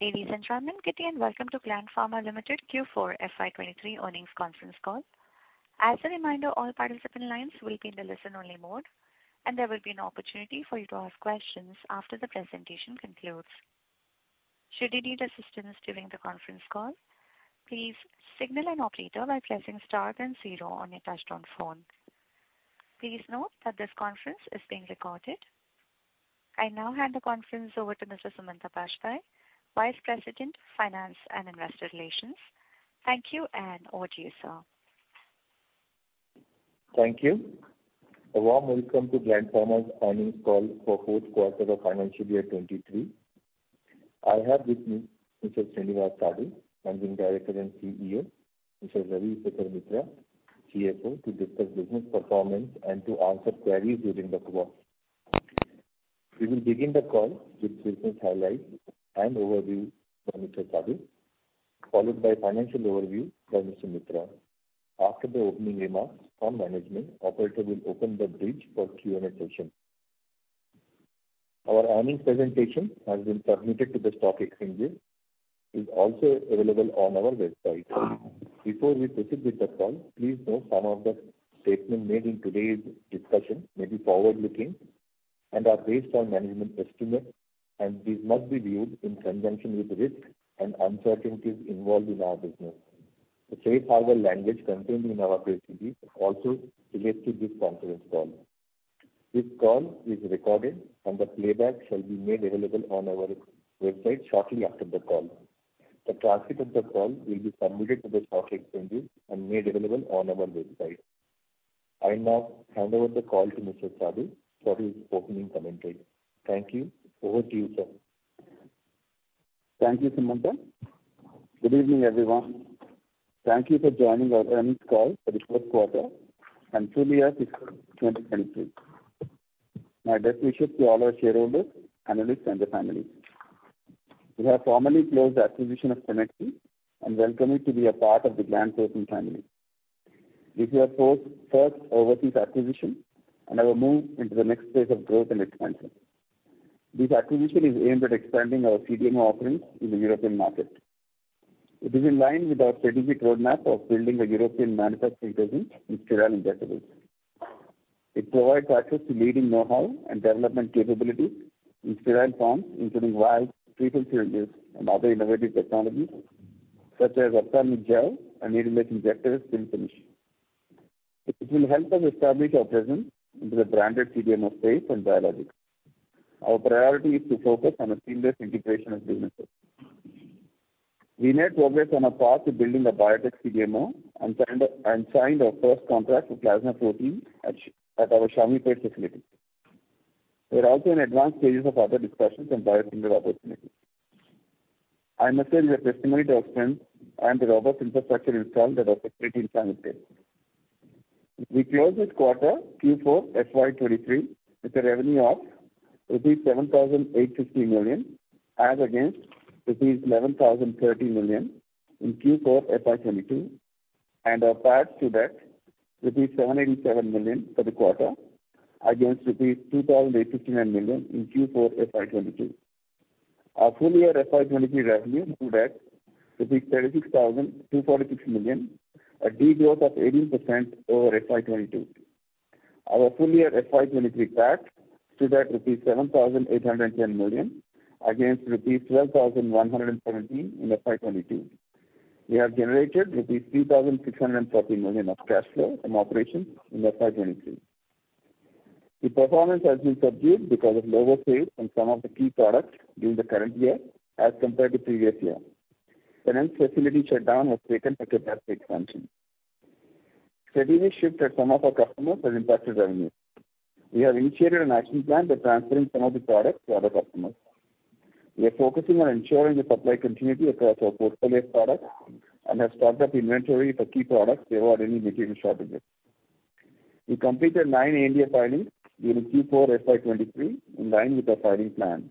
Ladies and gentlemen, good day, and welcome to Gland Pharma Limited Q4 FY 2023 earnings conference call. As a reminder, all participant lines will be in the listen-only mode, and there will be an opportunity for you to ask questions after the presentation concludes. Should you need assistance during the conference call, please signal an operator by pressing star then zero on your touchtone phone. Please note that this conference is being recorded. I now hand the conference over to Mr. Sumanta Bajpayee, Vice President, Finance and Investor Relations. Thank you, and over to you, sir. Thank you. A warm welcome to Gland Pharma's earnings call for fourth quarter of financial year 2023. I have with me Mr. Srinivas Sadu, Managing Director and CEO, Mr. Ravi Shekhar Mitra, CFO, to discuss business performance and to answer queries during the call. We will begin the call with business highlights and overview from Mr. Sadu, followed by financial overview by Mr. Mitra. After the opening remarks from management, operator will open the bridge for Q&A session. Our earnings presentation has been submitted to the stock exchanges, is also available on our website. Before we proceed with the call, please note some of the statements made in today's discussion may be forward-looking and are based on management estimates, these must be viewed in conjunction with risk and uncertainties involved in our business. The safe harbor language contained in our SEC also relates to this conference call. This call is recorded, and the playback shall be made available on our website shortly after the call. The transcript of the call will be submitted to the stock exchanges and made available on our website. I now hand over the call to Mr. Sadu for his opening commentary. Thank you. Over to you, sir. Thank you, Sumanta. Good evening, everyone. Thank you for joining our earnings call for the fourth quarter and full year fiscal 2023. My best wishes to all our shareholders, analysts, and their families. We have formally closed the acquisition of Cenexi and welcome it to be a part of the Gland Pharma family. This is our first overseas acquisition and our move into the next phase of growth and expansion. This acquisition is aimed at expanding our CDMO offerings in the European market. It is in line with our strategic roadmap of building a European manufacturing presence with sterile injectables. It provides access to leading know-how and development capabilities in sterile forms, including vials, prefilled syringes, and other innovative technologies such as ophthalmic gels and needleless injectors pen finish. It will help us establish our presence into the branded CDMO space and biologics. Our priority is to focus on a seamless integration of businesses. We made progress on our path to building a Bio-CDMO and signed our first contract with Plasma Protein at our Charleroi facility. We're also in advanced stages of other discussions on bio-similar opportunities. I must say we are testament to our strength and the robust infrastructure installed at our facility in Charleroi. We closed this quarter Q4 FY 20 23 with a revenue of rupees 7,850 million as against rupees 11,030 million in Q4 FY 2022. Our PAT to that rupees 787 million for the quarter against rupees 2,859 million in Q4 FY 2022. Our full year FY 2023 revenue stood at INR 36,246 million, a degrowth of 18% over FY 2022. Our full year FY 2023 PAT stood at INR 7,810 million against rupees 12,117 million in FY 2022. We have generated rupees 3,640 million of cash flow from operations in FY 2023. The performance has been subdued because of lower sales in some of the key products during the current year as compared to previous year. Finance facility shutdown has taken a capacity expansion. Strategic shift at some of our customers has impacted revenue. We have initiated an action plan by transferring some of the products to other customers. We are focusing on ensuring the supply continuity across our portfolio of products and have stocked up inventory for key products to avoid any material shortages. We completed nine ANDA filings during Q4 FY 2023 in line with our filing plan.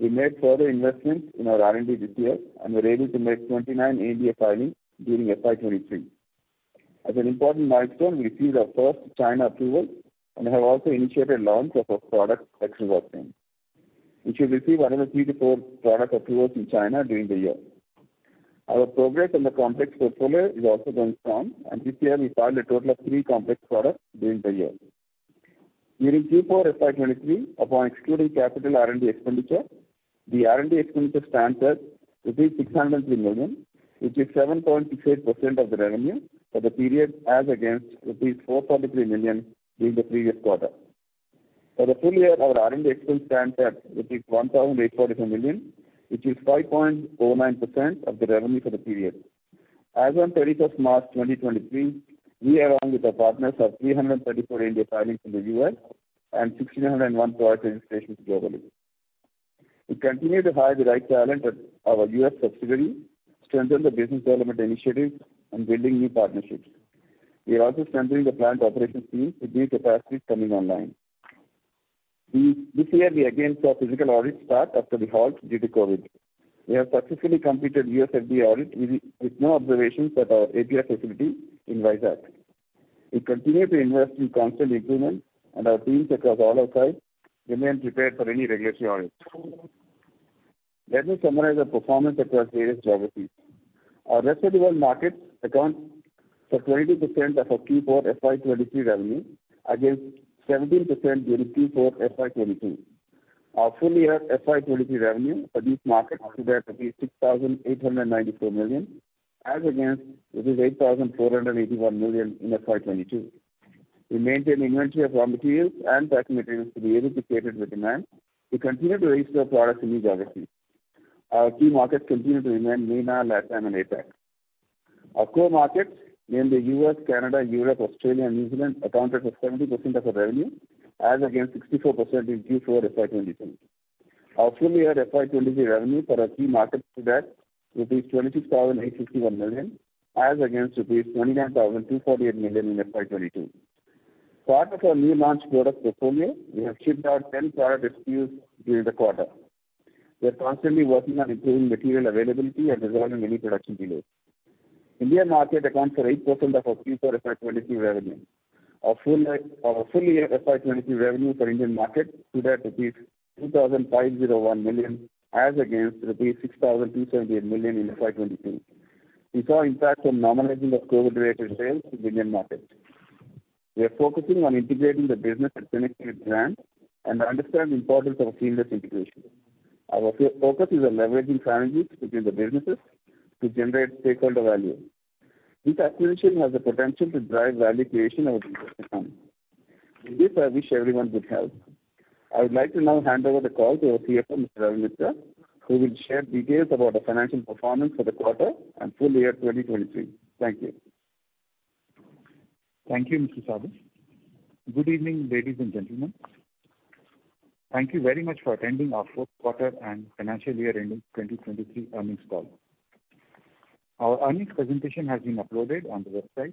We made further investments in our R&D this year and were able to make 29 ANDA filings during FY 2023. As an important milestone, we received our first China approval and have also initiated launch of our product Dexrazoxane. We should receive another three-four product approvals in China during the year. Our progress in the complex portfolio is also going strong, and this year we filed a total of three complex products during the year. During Q4 FY 2023, upon excluding capital R&D expenditure, the R&D expenditure stands at rupees 603 million, which is 7.68% of the revenue for the period, as against rupees 443 million during the previous quarter. For the full year, our R&D expense stands at rupees 1,844 million, which is 5.09% of the revenue for the period. As on 31st March 2023, we along with our partners have 334 ANDA filings in the U.S. and 1,601 product registrations globally. We continue to hire the right talent at our U.S. subsidiary, strengthen the business development initiatives, and building new partnerships. We are also strengthening the plant operations team with new capacities coming online. This year we again saw physical audits start after the halt due to COVID. We have successfully completed U.S. FDA audit with no observations at our API facility in Vizag. We continue to invest in constant improvement. Our teams across all our sites remain prepared for any regulatory audits. Let me summarize the performance across various geographies. Our rest of the world markets account for 22% of our Q4 FY 2023 revenue against 17% during Q4 FY 2022. Our full year FY 2023 revenue for these markets stood at 6,894 million, as against 8,481 million in FY 2022. We maintain inventory of raw materials and packing materials to be able to cater to the demand. We continue to raise our products in these geographies. Our key markets continue to remain MENA, LATAM and APAC. Our core markets, namely U.S., Canada, Europe, Australia and New Zealand accounted for 70% of the revenue as against 64% in Q4 FY 2022. Our full year FY 2023 revenue for our key markets stood at rupees 26,861 million as against rupees 29,248 million in FY 2022. Part of our new launch product portfolio, we have shipped out 10 product SKUs during the quarter. We are constantly working on improving material availability and resolving any production delays. India market accounts for 8% of our Q4 FY 2022 revenue. Our full year FY 2023 revenue for Indian market stood at rupees 2,501 million as against rupees 6,278 million in FY 2022. We saw impact from normalizing of COVID-related sales in Indian markets. We are focusing on integrating the business and connecting with brands and understand the importance of a seamless integration. Our focus is on leveraging synergies between the businesses to generate stakeholder value. This acquisition has the potential to drive value creation over the years to come. In this, I wish everyone good health. I would like to now hand over the call to our CFO, Mr. Ravi Mitra, who will share details about our financial performance for the quarter and full year 2023. Thank you. Thank you, Mr. Sadu. Good evening, ladies and gentlemen. Thank you very much for attending our fourth quarter and financial year ending 2023 earnings call. Our earnings presentation has been uploaded on the website.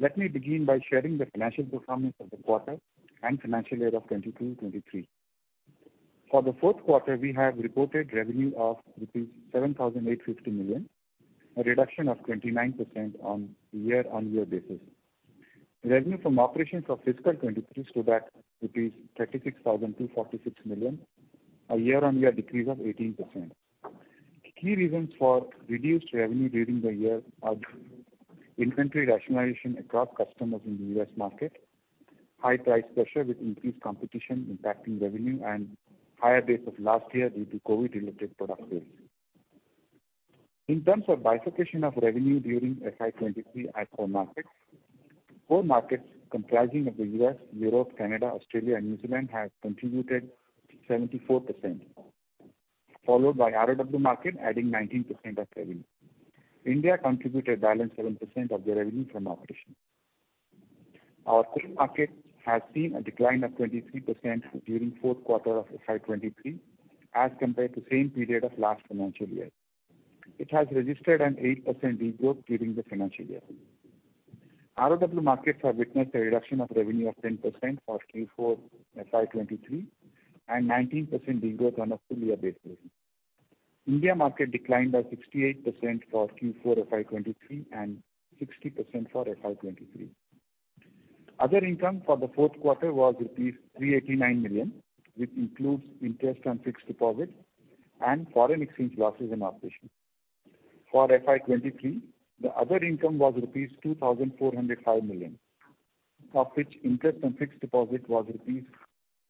Let me begin by sharing the financial performance of the quarter and financial year of 2022, 2023. For the fourth quarter, we have reported revenue of rupees 7,850 million, a reduction of 29% on year-on-year basis. Revenue from operations for fiscal 2023 stood at rupees 36,246 million, a year-on-year decrease of 18%. Key reasons for reduced revenue during the year are inventory rationalization across customers in the U.S. market, high price pressure with increased competition impacting revenue and higher base of last year due to COVID-related product sales. In terms of bifurcation of revenue during FY 2023 at core markets, core markets comprising of the U.S., Europe, Canada, Australia and New Zealand have contributed 74%, followed by ROW market adding 19% of revenue. India contributed balance 7% of the revenue from operations. Our full market has seen a decline of 23% during fourth quarter of FY 2023 as compared to same period of last financial year. It has registered an 8% de-growth during the financial year. ROW markets have witnessed a reduction of revenue of 10% for Q4 FY 2023 and 19% de-growth on a full year basis. India market declined by 68% for Q4 FY 2023 and 60% for FY 2023. Other income for the fourth quarter was 389 million, which includes interest on fixed deposit and foreign exchange losses in operations. For FY 2023, the other income was rupees 2,405 million, of which interest on fixed deposit was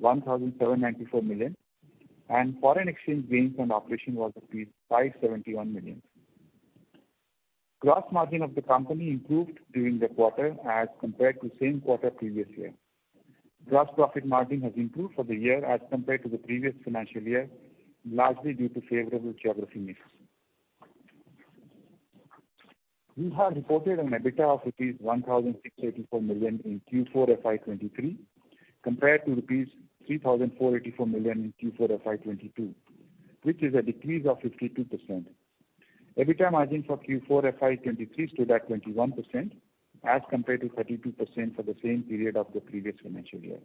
rupees 1,794 million, and foreign exchange gains on operation was rupees 571 million. Gross margin of the company improved during the quarter as compared to same quarter previous year. Gross profit margin has improved for the year as compared to the previous financial year, largely due to favorable geography mix. We have reported an EBITDA of INR 1,684 million in Q4 FY 2023 compared to INR 3,484 million in Q4 FY 2022, which is a decrease of 52%. EBITDA margin for Q4 FY 2023 stood at 21% as compared to 32% for the same period of the previous financial year.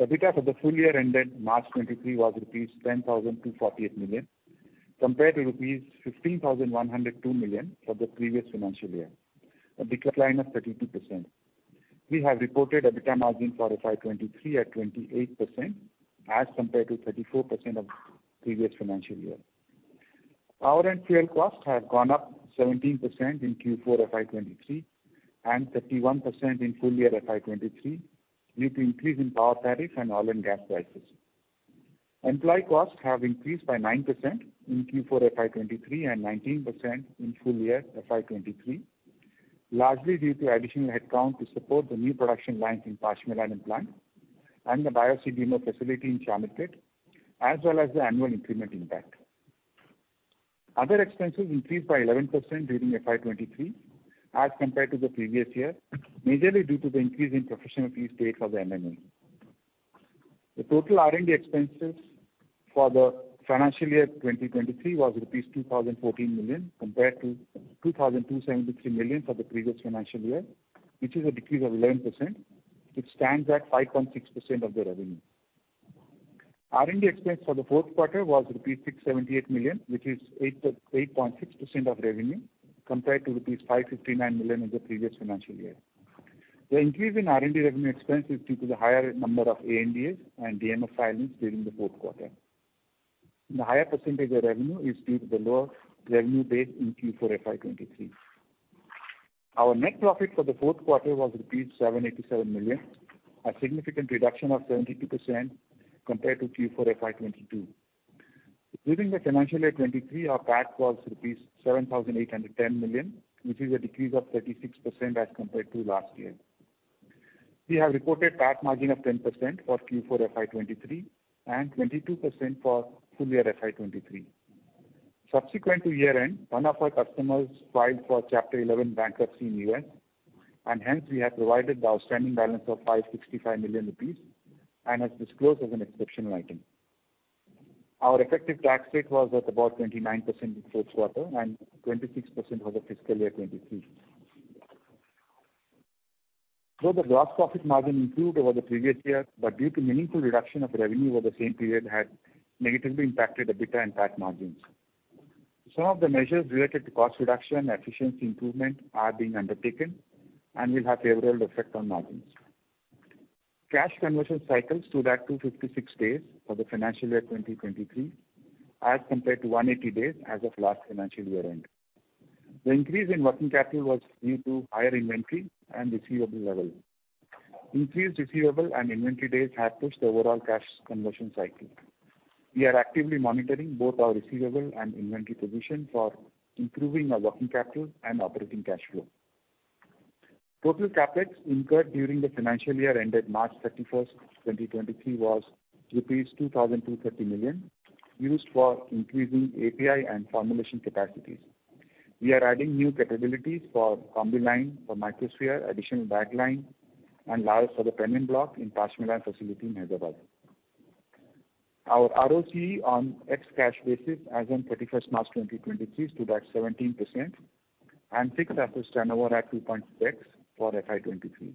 EBITDA for the full year ended March 2023 was rupees 10,248 million compared to rupees 15,102 million for the previous financial year, a decline of 32%. We have reported EBITDA margin for FY 2023 at 28% as compared to 34% of previous financial year. Power and fuel costs have gone up 17% in Q4 FY 2023 and 31% in full year FY 2023 due to increase in power tariff and oil and gas prices. Employee costs have increased by 9% in Q4 FY 2023 and 19% in full year FY 2023, largely due to additional headcount to support the new production lines in Pashamylaram plant and the Bio-CDMO facility in Shamirpet, as well as the annual increment impact. Other expenses increased by 11% during FY 2023 as compared to the previous year, majorly due to the increase in professional fee paid for the M&A. The total R&D expenses for the financial year 2023 was rupees 2,014 million compared to 2,273 million for the previous financial year, which is a decrease of 11%, which stands at 5.6% of the revenue. R&D expense for the fourth quarter was rupees 678 million, which is 8.6% of revenue compared to rupees 559 million in the previous financial year. The increase in R&D revenue expense is due to the higher number of ANDAs and DMF filings during the fourth quarter. The higher percentage of revenue is due to the lower revenue base in Q4 FY 2023. Our net profit for the fourth quarter was rupees 787 million, a significant reduction of 72% compared to Q4 FY 2022. During the financial year 2023, our PAT was rupees 7,810 million, which is a decrease of 36% as compared to last year. We have reported PAT margin of 10% for Q4 FY 2023 and 22% for full year FY 2023. Subsequent to year-end, one of our customers filed for Chapter 11 bankruptcy in U.S. and hence we have provided the outstanding balance of 565 million rupees and has disclosed as an exceptional item. Our effective tax rate was at about 29% in fourth quarter and 26% for the fiscal year 2023. Though the gross profit margin improved over the previous year, but due to meaningful reduction of revenue over the same period had negatively impacted the EBITDA and PAT margins. Some of the measures related to cost reduction and efficiency improvement are being undertaken and will have a favorable effect on margins. Cash conversion cycles stood at 256 days for the financial year 2023 as compared to 180 days as of last financial year-end. The increase in working capital was due to higher inventory and receivable levels. Increased receivable and inventory days have pushed the overall cash conversion cycle. We are actively monitoring both our receivable and inventory position for improving our working capital and operating cash flow. Total CapEx incurred during the financial year ended March 31st, 2023 was rupees 2,230 million used for increasing API and formulation capacities. We are adding new capabilities for Combi-line, for microsphere, additional bag line and large suspended block in Pashamylaram facility in Hyderabad. Our ROCE on ex cash basis as on 31st March 2023 stood at 17% and fixed asset turnover at 2.6 for FY 2023.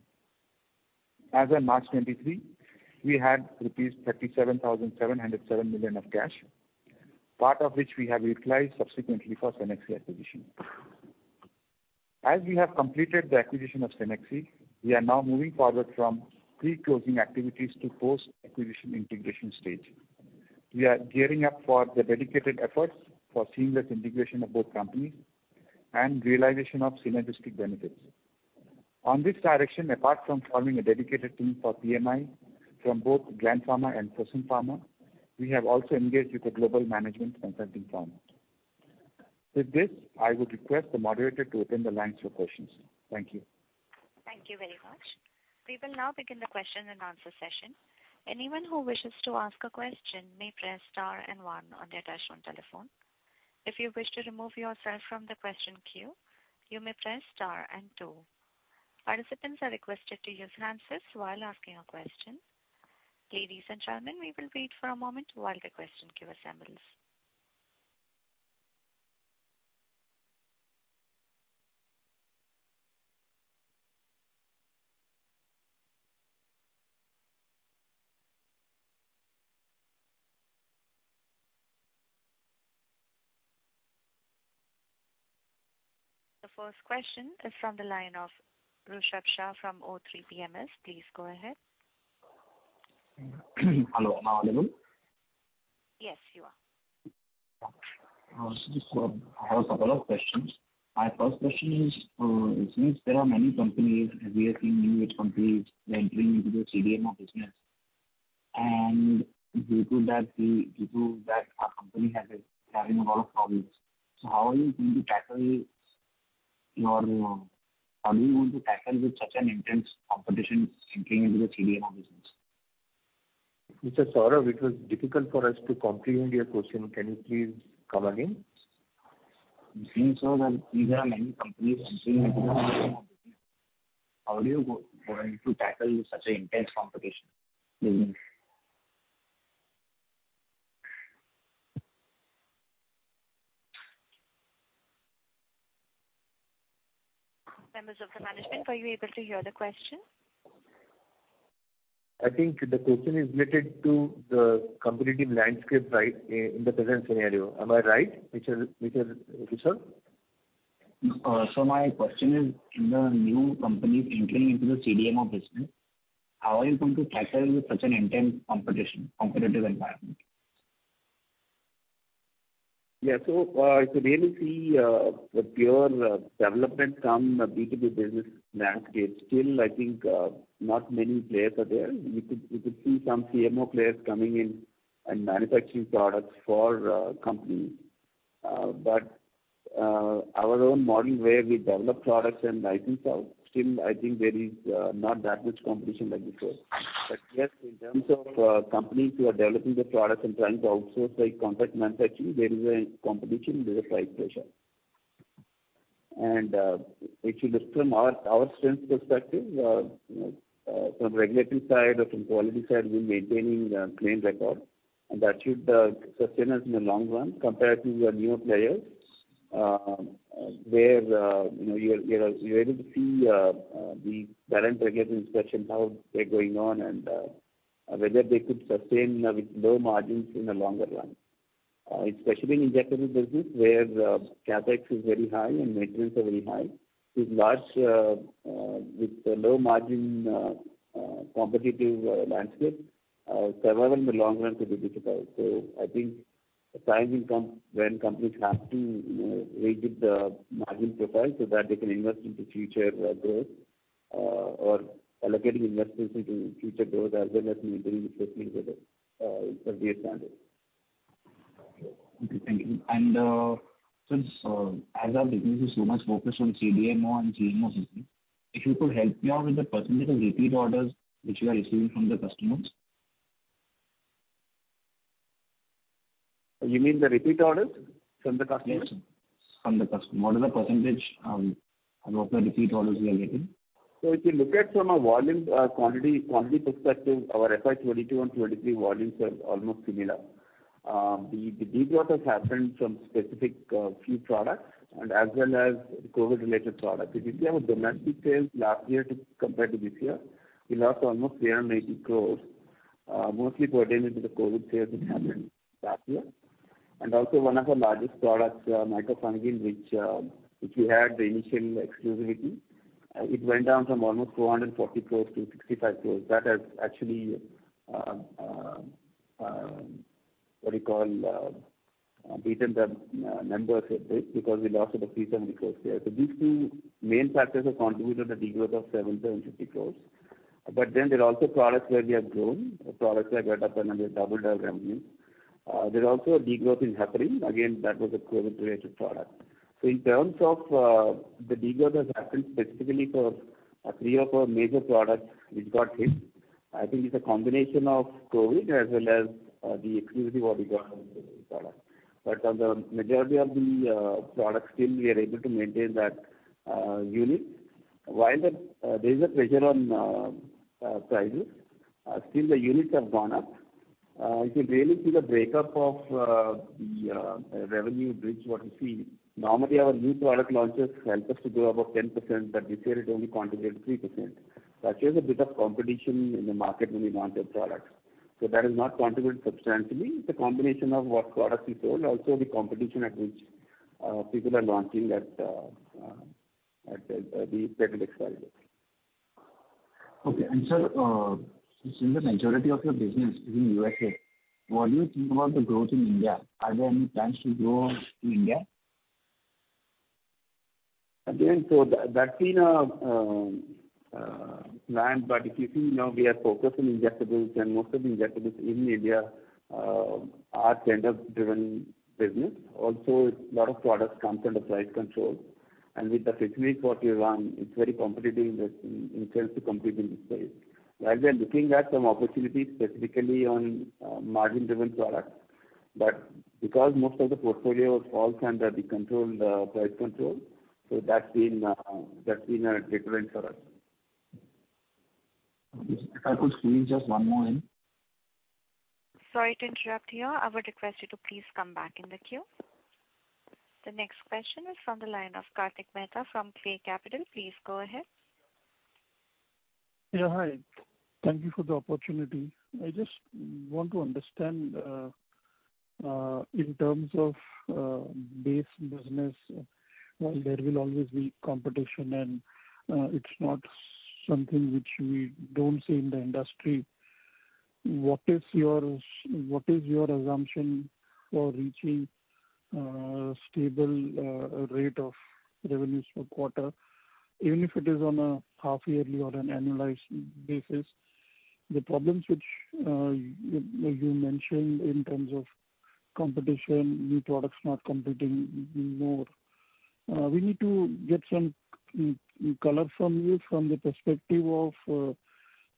As on March 2023, we had rupees 37,707 million of cash, part of which we have utilized subsequently for Cenexi acquisition. As we have completed the acquisition of Cenexi, we are now moving forward from pre-closing activities to post-acquisition integration stage. We are gearing up for the dedicated efforts for seamless integration of both companies and realization of synergistic benefits. On this direction, apart from forming a dedicated team for PMI from both Gland Pharma and Fosun Pharma, we have also engaged with a global management consulting firm. With this, I would request the moderator to open the lines for questions. Thank you. Thank you very much. We will now begin the question and answer session. Anyone who wishes to ask a question may press star and one on their touchtone telephone. If you wish to remove yourself from the question queue, you may press star and two. Participants are requested to use their answers while asking a question. Ladies and gentlemen, we will wait for a moment while the question queue assembles. The first question is from the line of Rishabh Shah from o3 Capital. Please go ahead. Hello, am I audible? Yes, you are. I also just have a couple of questions. My first question is, it seems there are many companies, as we have seen new age companies, they are entering into the CDMO business and due to that our company has been having a lot of problems. How are you going to tackle with such an intense competition entering into the CDMO business? Mr. Saurav, it was difficult for us to comprehend your question. Can you please come again? It seems so that these are many companies entering into the CDMO business. How do you going to tackle such an intense competition? Members of the management, are you able to hear the question? I think the question is related to the competitive landscape, right, in the present scenario. Am I right, Mr. Rishabh? My question is in the new companies entering into the CDMO business, how are you going to tackle with such an intense competition, competitive environment? Yeah. If you really see the pure development from a B2B business landscape, still I think not many players are there. You could see some CMO players coming in and manufacturing products for companies. Our own model where we develop products and license out, still I think there is not that much competition like before. Yes, in terms of companies who are developing the products and trying to outsource like contract manufacturing, there is a competition, there is a price pressure. If you look from our strength perspective, you know, from regulatory side or from quality side, we're maintaining a clean record and that should sustain us in the long run compared to the newer players. Where, you know, you're able to see the balance regular inspections, how they're going on and whether they could sustain with low margins in the longer run. Especially in injectable business where the CapEx is very high and maintenance are very high. With large, with low margin, competitive landscape, survival in the long run could be difficult. I think a time will come when companies have to, you know, raise with the margin profile so that they can invest into future growth or allocating investments into future growth as well as maintaining the existing business per their standard. Okay. Thank you. Since as our business is so much focused on CDMO and CMO business, if you could help me out with the percentage of repeat orders which you are receiving from the customers. You mean the repeat orders from the customers? Yes. What is the percentage of the repeat orders you are getting? If you look at from a volume, quantity perspective, our FY 2022 and 2023 volumes are almost similar. The degrowth has happened from specific, few products and as well as COVID-related products. If you see our domestic sales last year compared to this year, we lost almost 380 crores, mostly pertaining to the COVID sales that happened last year. Also one of our largest products, mitomycin, which we had the initial exclusivity, it went down from almost 440 crores-65 crores. That has actually, what do you call, beaten the numbers a bit because we lost the exclusivity last year. These two main factors have contributed the degrowth of 7.50 crores. There are also products where we have grown, products that went up and they doubled our revenue. There's also a degrowth is happening. Again, that was a COVID-related product. In terms of, the degrowth has happened specifically for three of our major products which got hit. I think it's a combination of COVID as well as the exclusivity what we got on the product. On the majority of the products still we are able to maintain that unit. While there's a pressure on prices, still the units have gone up. If you really see the breakup of the revenue bridge what you see, normally our new product launches help us to grow about 10%, but this year it only contributed 3%. That shows a bit of competition in the market when we launched that product. That has not contributed substantially. It's a combination of what products we sold, also the competition at which people are launching at the scheduled expiry date. Okay. sir, since the majority of your business is in U.S.A., what do you think about the growth in India? Are there any plans to grow in India? That, that's been a planned. If you see now we are focused on injectables, and most of the injectables in India are tender-driven business. A lot of products comes under price control. With the facilities what we run, it's very competitive in terms of competing in this space. While we are looking at some opportunities specifically on margin-driven products. Because most of the portfolio falls under the controlled price control, so that's been a deterrent for us. If I could squeeze just one more in. Sorry to interrupt you. I would request you to please come back in the queue. The next question is from the line of Kartik Mehta from Klay Capital. Please go ahead. Yeah, hi. Thank you for the opportunity. I just want to understand in terms of base business, while there will always be competition and it's not something which we don't see in the industry, what is your assumption for reaching stable rate of revenues per quarter, even if it is on a half yearly or an annualized basis? The problems which you mentioned in terms of competition, new products not competing even more. We need to get some color from you from the perspective of,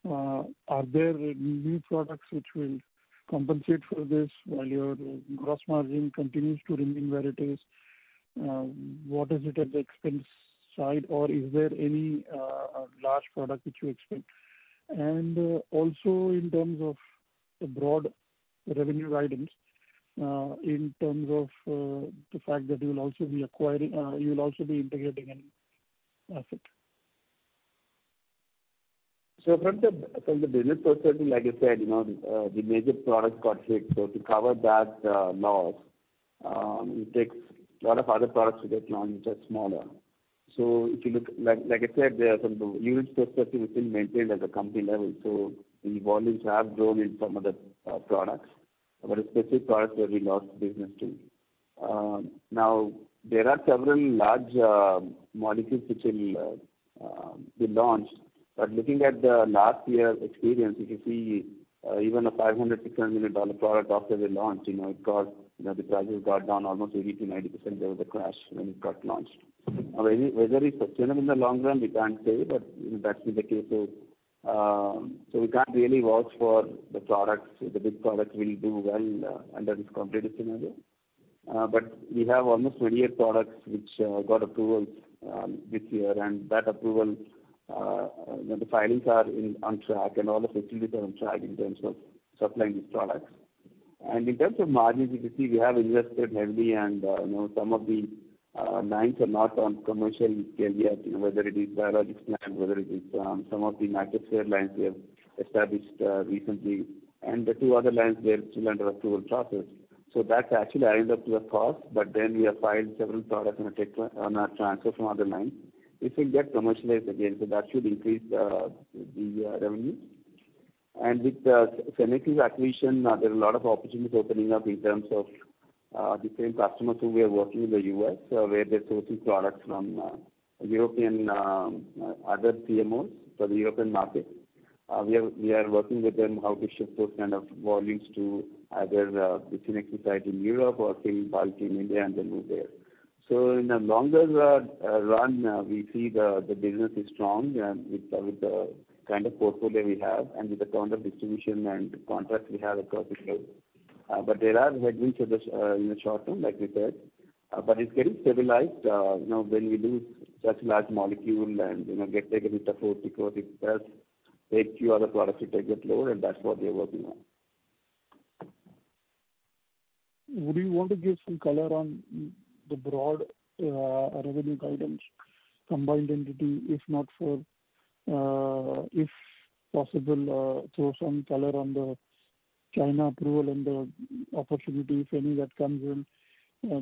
are there any new products which will compensate for this while your gross margin continues to remain where it is? What is it at the expense side or is there any large product which you expect? Also in terms of the broad revenue items, in terms of the fact that you'll also be integrating an asset. From the business perspective, like I said, you know, the major products got hit. To cover that loss, it takes a lot of other products to get launched that's smaller. If you look, like I said, from the unit perspective, we've still maintained at the company level. The volumes have grown in some other products. There are specific products where we lost business too. Now, there are several large molecules which will be launched. Looking at the last year experience, if you see, even a $500 million-$600 million product after they launch, you know, it got the prices got down almost 80%-90%. There was a crash when it got launched. Whether it's sustainable in the long run, we can't say, but that's been the case so we can't really vouch for the products, if the big products will do well under this competitive scenario. We have almost 28 products which got approvals this year. That approval, you know, the filings are on track and all the facilities are on track in terms of supplying these products. In terms of margins, you can see we have invested heavily and, you know, some of the lines are not on commercial scale yet, you know, whether it is biologics line, whether it is some of the market share lines we have established recently. The two other lines, they're still under approval process. That's actually adding up to the cost we have filed several products on a transfer from other lines. This will get commercialized again, that should increase the revenue. With the Cenexi acquisition, there are a lot of opportunities opening up in terms of different customers who we are working with in the U.S., where they're sourcing products from European other CMOs for the European market. We are working with them how to shift those kind of volumes to either the Cenexi site in Europe or to India and then move there. In the longer run, we see the business is strong and with the kind of portfolio we have and with the kind of distribution and contracts we have across the globe. There are headwinds in the short term, like we said. It's getting stabilized, you know, when we do such large molecule and, you know, get. Would you want to give some color on the broad, revenue guidance, combined entity, if not for, if possible, throw some color on the China approval and the opportunity, if any, that comes in,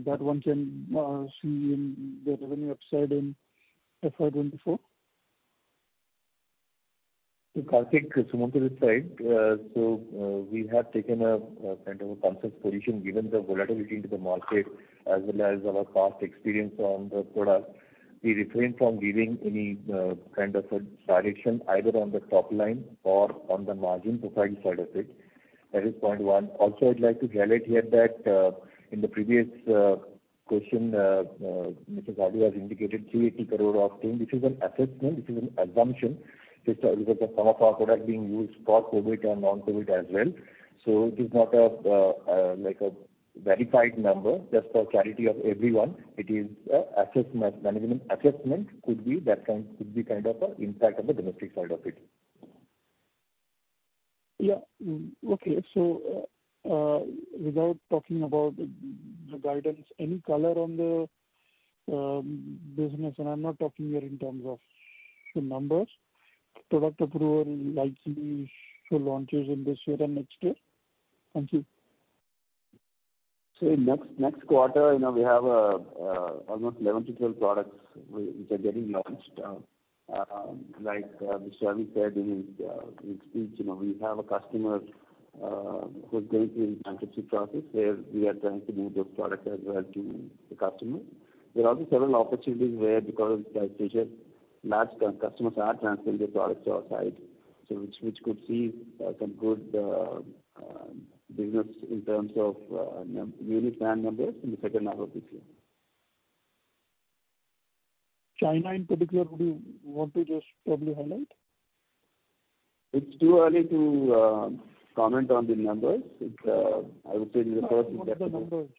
that one can, see in the revenue upside in FY 2024? Karthik, Sumanta this side. We have taken a kind of a conscious position, given the volatility into the market as well as our past experience on the product. We refrain from giving any kind of a direction, either on the top line or on the margin profile side of it. That is point one. Also, I'd like to highlight here that in the previous question, Mr. Sadu has indicated three AC crore INR of team, which is an assessment, which is an assumption. It's because of some of our product being used for COVID and non-COVID as well. It is not a like a verified number, just for clarity of everyone. It is a assessment, management assessment could be that kind, could be kind of a impact on the domestic side of it. Yeah. Okay. Without talking about the guidance, any color on the business, and I'm not talking here in terms of the numbers, product approval, licensing for launches in this year and next year? Thank you. In next quarter, you know, we have almost 11-12 products which are getting launched. Like Mr. Ravi said in his speech, you know, we have a customer who's going through a transfer process, where we are trying to move those products as well to the customer. There are also several opportunities where because of price pressure, large customers are transferring their products to our side, which could see some good business in terms of unit LAN numbers in the second half of this year. China in particular, would you want to just probably highlight? It's too early to comment on the numbers. It, I would say. Not the numbers.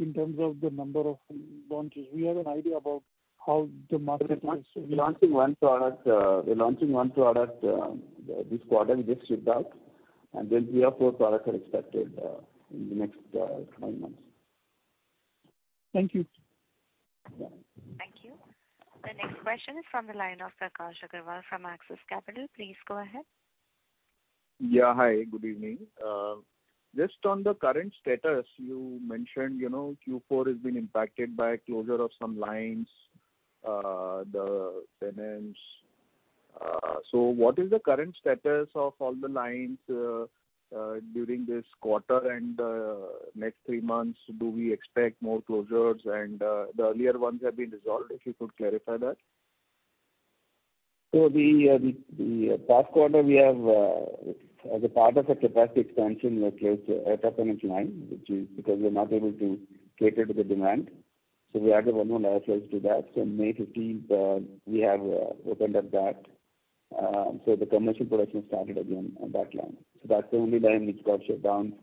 In terms of the number of launches. We have an idea about how the market is. We're launching one product this quarter, it gets shipped out, and then three or four products are expected in the next nine months. Thank you. Yeah. Thank you. The next question is from the line of Prakash Agarwal from Axis Capital. Please go ahead. Yeah. Hi, good evening. Just on the current status, you mentioned, you know, Q4 has been impacted by closure of some lines, the finance. What is the current status of all the lines during this quarter and next three months? Do we expect more closures and the earlier ones have been resolved, if you could clarify that? The past quarter we have as a part of a capacity expansion, we have closed a production line, which is because we're not able to cater to the demand. We added one more line to that. May 15th, we have opened up that. The commercial production started again on that line. That's the only line which got shut down.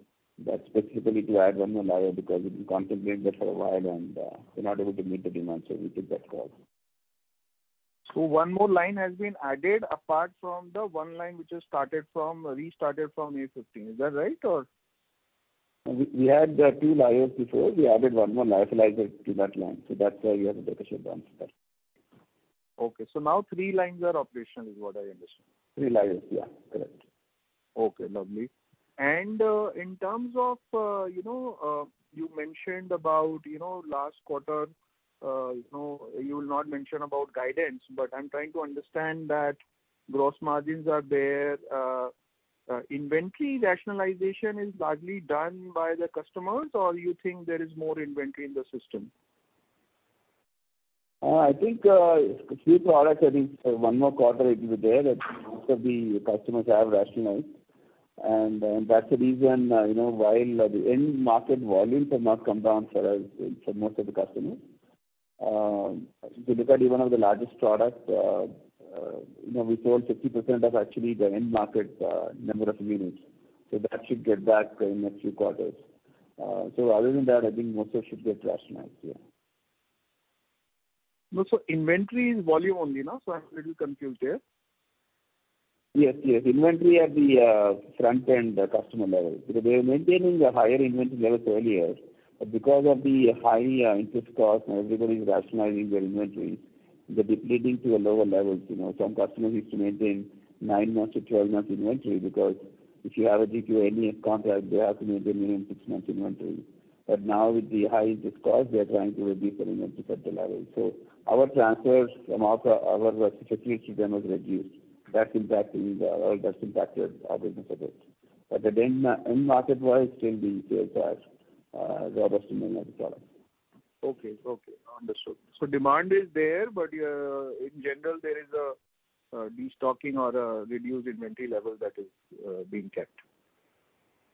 That's specifically to add one more layer because we've been contemplating that for a while and we're not able to meet the demand. We took that call. One more line has been added apart from the one line which was started from, restarted from May 15th. Is that right or? We had two layers before. We added one more layer to that line. That's why we had to take a shutdown for that. Okay. Now three lines are operational is what I understand. Three layers, yeah, correct. Okay, lovely. In terms of, you know, you mentioned about, you know, last quarter, you know, you will not mention about guidance, but I'm trying to understand that gross margins are there. Inventory rationalization is largely done by the customers or you think there is more inventory in the system? I think, a few products, I think for one more quarter it will be there. That most of the customers have rationalized. That's the reason, you know, while the end market volumes have not come down for most of the customers. If you look at even of the largest product, you know, we sold 50% of actually the end market, number of units. That should get back in the next few quarters. Other than that, I think most of should get rationalized, yeah. No. Inventory is volume only, no? I'm a little confused there. Yes. Inventory at the front end customer level. They were maintaining a higher inventory levels earlier, but because of the high interest cost and everybody's rationalizing their inventory, they're de-leading to a lower levels. You know, some customers used to maintain nine months to 12 months inventory because if you have a GPO NF contract, they have to maintain minimum six months inventory. Now with the high interest cost, they're trying to reduce their inventory further levels. Our transfers from our them has reduced. That's impacted our business a bit. The end market wise, still the sales are robust in many products. Okay. Okay. Understood. Demand is there, but in general, there is a destocking or a reduced inventory level that is being kept.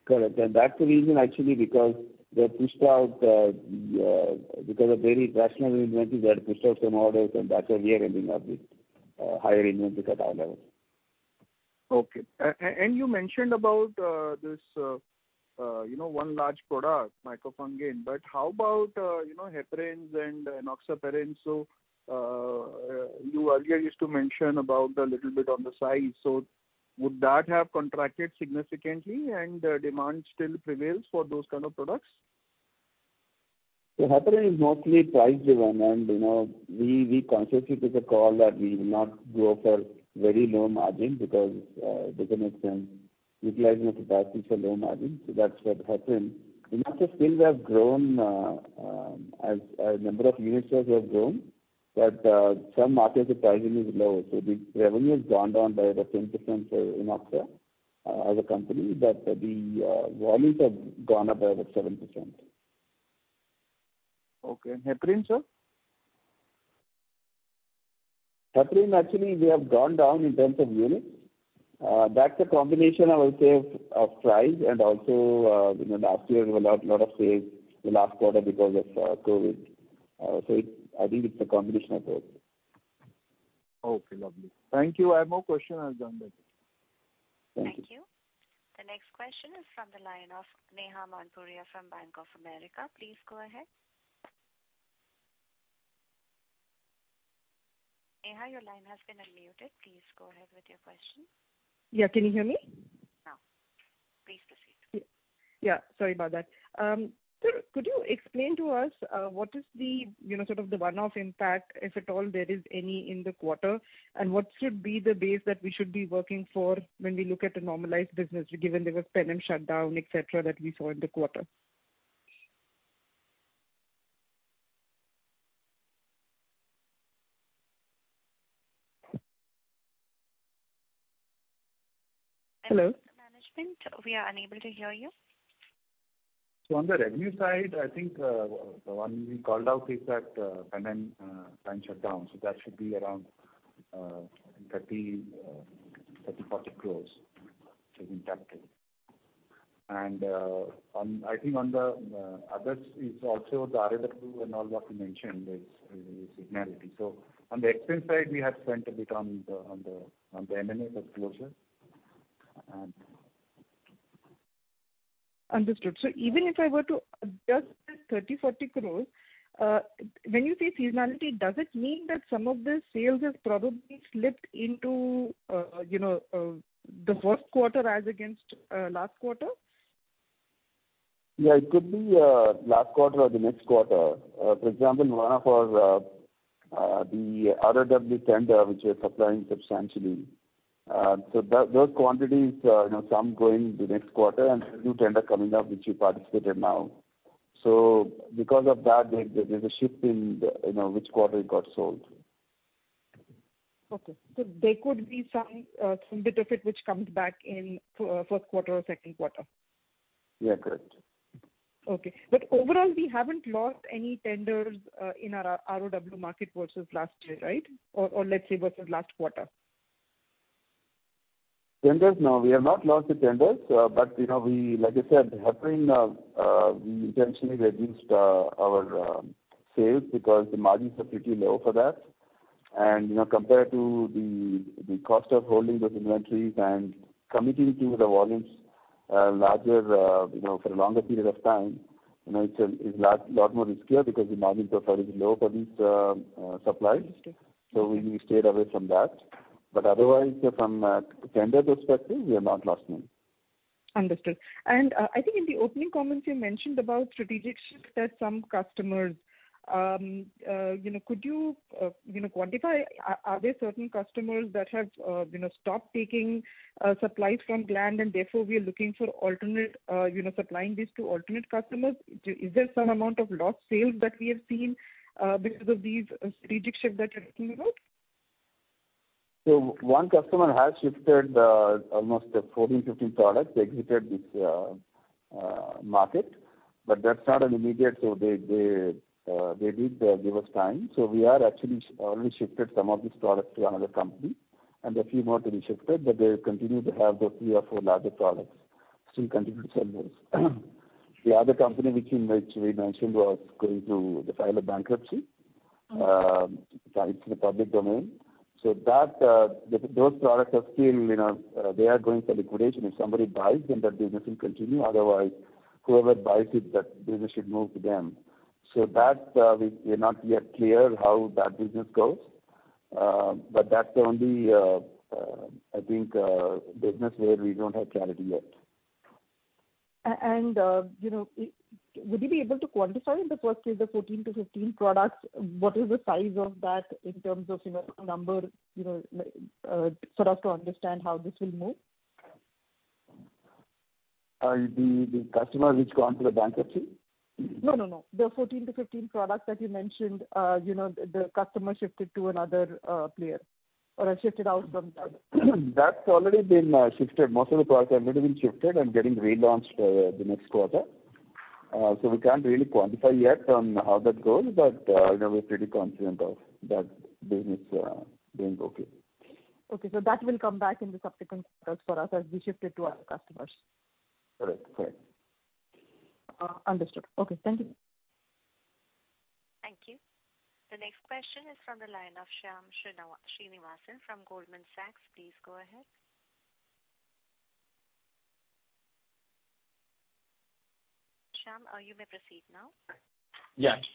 Correct. That's the reason actually because they've pushed out, because of very rational inventories, they had pushed out some orders and that's why we are ending up with, higher inventory at our levels. Okay. You mentioned about, you know, one large product, micafungin. How about, you know, Heparins and Enoxaparins? You earlier used to mention about a little bit on the size. Would that have contracted significantly and demand still prevails for those kind of products? The heparin is mostly price driven and, you know, we consciously took a call that we will not go for very low margin because it doesn't make sense utilizing the capacity for low margin, so that's what happened. Enoxaparin we have grown as number of units we have grown, but some markets the pricing is low. The revenue has gone down by about 10% for enoxaparin as a company, but the volumes have gone up by about 7%. Okay. Heparin, sir? Heparin actually we have gone down in terms of units. That's a combination I would say of price and also, you know, last year we had lot of sales the last quarter because of COVID. I think it's a combination of both. Okay, lovely. Thank you. I have more question. I'll join back. Thank you. Thank you. The next question is from the line of Neha Manpuria from Bank of America. Please go ahead. Neha, your line has been unmuted. Please go ahead with your question. Yeah. Can you hear me? Now. Please proceed. Yeah. Sorry about that. Sir, could you explain to us, what is the, you know, sort of the one-off impact, if at all there is any in the quarter? What should be the base that we should be working for when we look at a normalized business, given there was Pashamylaram shutdown, et cetera, that we saw in the quarter? Hello? Management, we are unable to hear you. On the revenue side, I think, the one we called out is that Pashamylaram plant shutdown, that should be around 30 cores-INR 40 crores has been impacted. I think on the others, it's also the ROW and all what we mentioned is seasonality. On the expense side, we have spent a bit on the M&A disclosures and. Understood. Even if I were to adjust this 30 cores-INR 40 crores, when you say seasonality, does it mean that some of the sales has probably slipped into, you know, the first quarter as against last quarter? Yeah, it could be last quarter or the next quarter. For example, one of our, the ROW tender, which we are supplying substantially. Those quantities, you know, some going the next quarter and new tender coming up, which we participated now. Because of that, there's a shift in the, you know, which quarter it got sold. There could be some bit of it which comes back in first quarter or second quarter? Yeah, correct. Okay. Overall, we haven't lost any tenders, in our ROW market vs last year, right? Let's say vs last quarter. Tenders, no. We have not lost the tenders. You know, like I said, Heparin, we intentionally reduced our sales because the margins are pretty low for that. You know, compared to the cost of holding those inventories and committing to the volumes, larger, you know, for a longer period of time, you know, it's lot more riskier because the margin profile is low for these supplies. Understood. We stayed away from that. otherwise, from tender perspective, we have not lost any. Understood. I think in the opening comments you mentioned about strategic shift at some customers. you know, could you know, quantify are there certain customers that have, you know, stopped taking supplies from Gland and therefore we are looking for alternate, you know, supplying this to alternate customers? Is there some amount of lost sales that we have seen because of these strategic shift that you're talking about? One customer has shifted almost 14-15 products. They exited this market. That's not an immediate, they did give us time. We are actually already shifted some of these products to another company and a few more to be shifted, but they continue to have those three or four larger products, still continue to sell those. The other company which we mentioned was going to file a bankruptcy, now it's in the public domain. That, those products are still, you know, they are going for liquidation. If somebody buys, then that business will continue. Otherwise, whoever buys it, that business should move to them. That, we're not yet clear how that business goes. That's the only, I think, business where we don't have clarity yet. You know, would you be able to quantify in the first place the 14-15 products? What is the size of that in terms of, you know, number, you know, like, sort of to understand how this will move? The customers which gone through the bankruptcy? No, no. The 14-15 products that you mentioned, you know, the customer shifted to another, player or has shifted out from that. That's already been shifted. Most of the products have already been shifted and getting relaunched the next quarter. We can't really quantify yet on how that goes, but, you know, we're pretty confident of that business doing okay. Okay. That will come back in the subsequent quarters for us as we shift it to our customers. Correct. Correct. Understood. Okay. Thank you. Thank you. The next question is from the line of Shyam Srinivasan from Goldman Sachs. Please go ahead. Shyam, you may proceed now.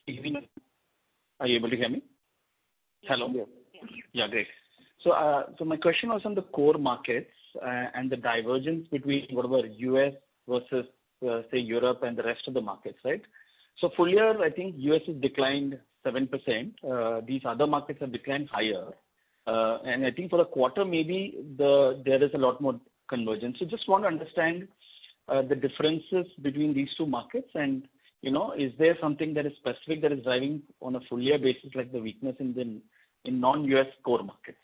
Good evening. Are you able to hear me? Hello? Yes. Yeah, great. My question was on the core markets and the divergence between what about U.S. vs, say, Europe and the rest of the markets, right? Full year, I think U.S. has declined 7%. These other markets have declined higher. And I think for the quarter maybe there is a lot more convergence. Just want to understand the differences between these two markets and, you know, is there something that is specific that is driving on a full year basis, like the weakness in the, in non-U.S, core markets?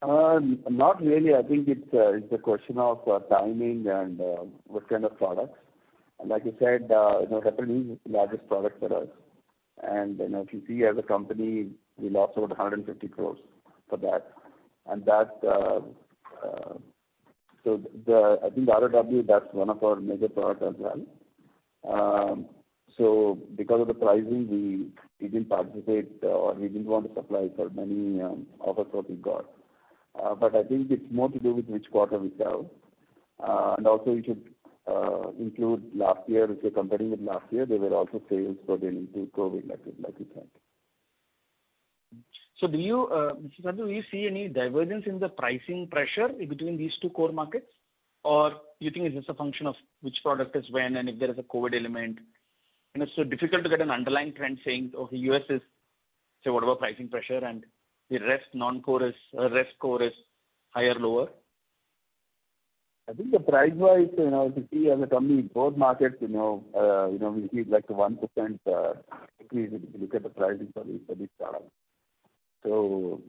Not really. I think it's a question of timing and what kind of products. Like you said, you know, Repatha is the largest product for us. You know, if you see as a company, we lost over 150 crores for that. I think the ROW, that's one of our major product as well. Because of the pricing, we didn't participate or we didn't want to supply for many offers what we got. I think it's more to do with which quarter we sell. You should include last year. If you're comparing with last year, there were also sales, so they linked to COVID like we said. Do you, Mr. Sadu, do you see any divergence in the pricing pressure between these two core markets? Do you think it's just a function of which product is when and if there is a COVID element? It's so difficult to get an underlying trend saying, okay, U.S. is, say, whatever pricing pressure and the rest non-core is, rest core is higher, lower? I think the price-wise, you know, if you see as a company in both markets, you know, we see like a 1% increase if you look at the pricing for these products.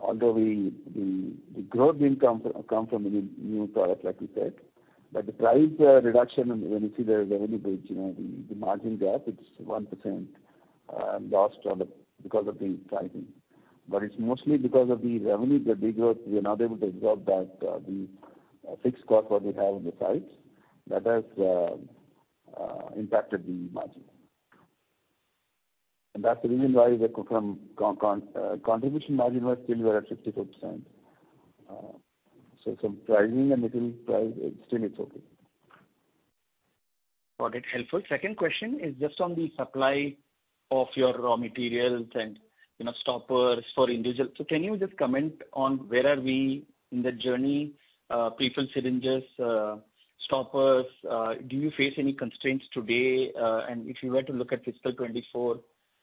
Although the growth will come from the new products like you said, but the price reduction when you see the revenue bridge, you know, the margin gap, it's 1% lost on the because of the pricing. It's mostly because of the revenue, the big growth. We are not able to absorb that the fixed cost what we have on the sites. That has impacted the margin. That's the reason why the contribution margin was still we are at 54%. From pricing a little price, still it's okay. Got it. Helpful. Second question is just on the supply of your raw materials and, you know, stoppers for Indegene. Can you just comment on where are we in the journey, prefilled syringes, stoppers? Do you face any constraints today? And if you were to look at fiscal 2024,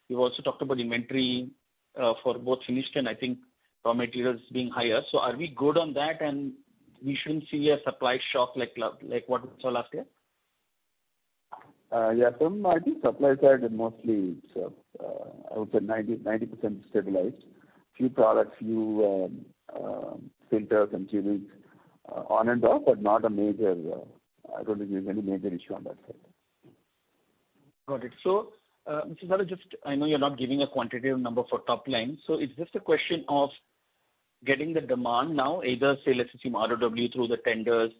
you've also talked about inventory for both finished and I think raw materials being higher. Are we good on that and we shouldn't see a supply shock like what we saw last year? Yeah. From, I think, supply side mostly it's, I would say 90% stabilized. Few products, few, filters and tunings, on and off, but not a major, I don't think there's any major issue on that side. Got it. Mr. Sadu, just I know you're not giving a quantitative number for top line, it's just a question of getting the demand now, either say, let's assume ROW through the tenders.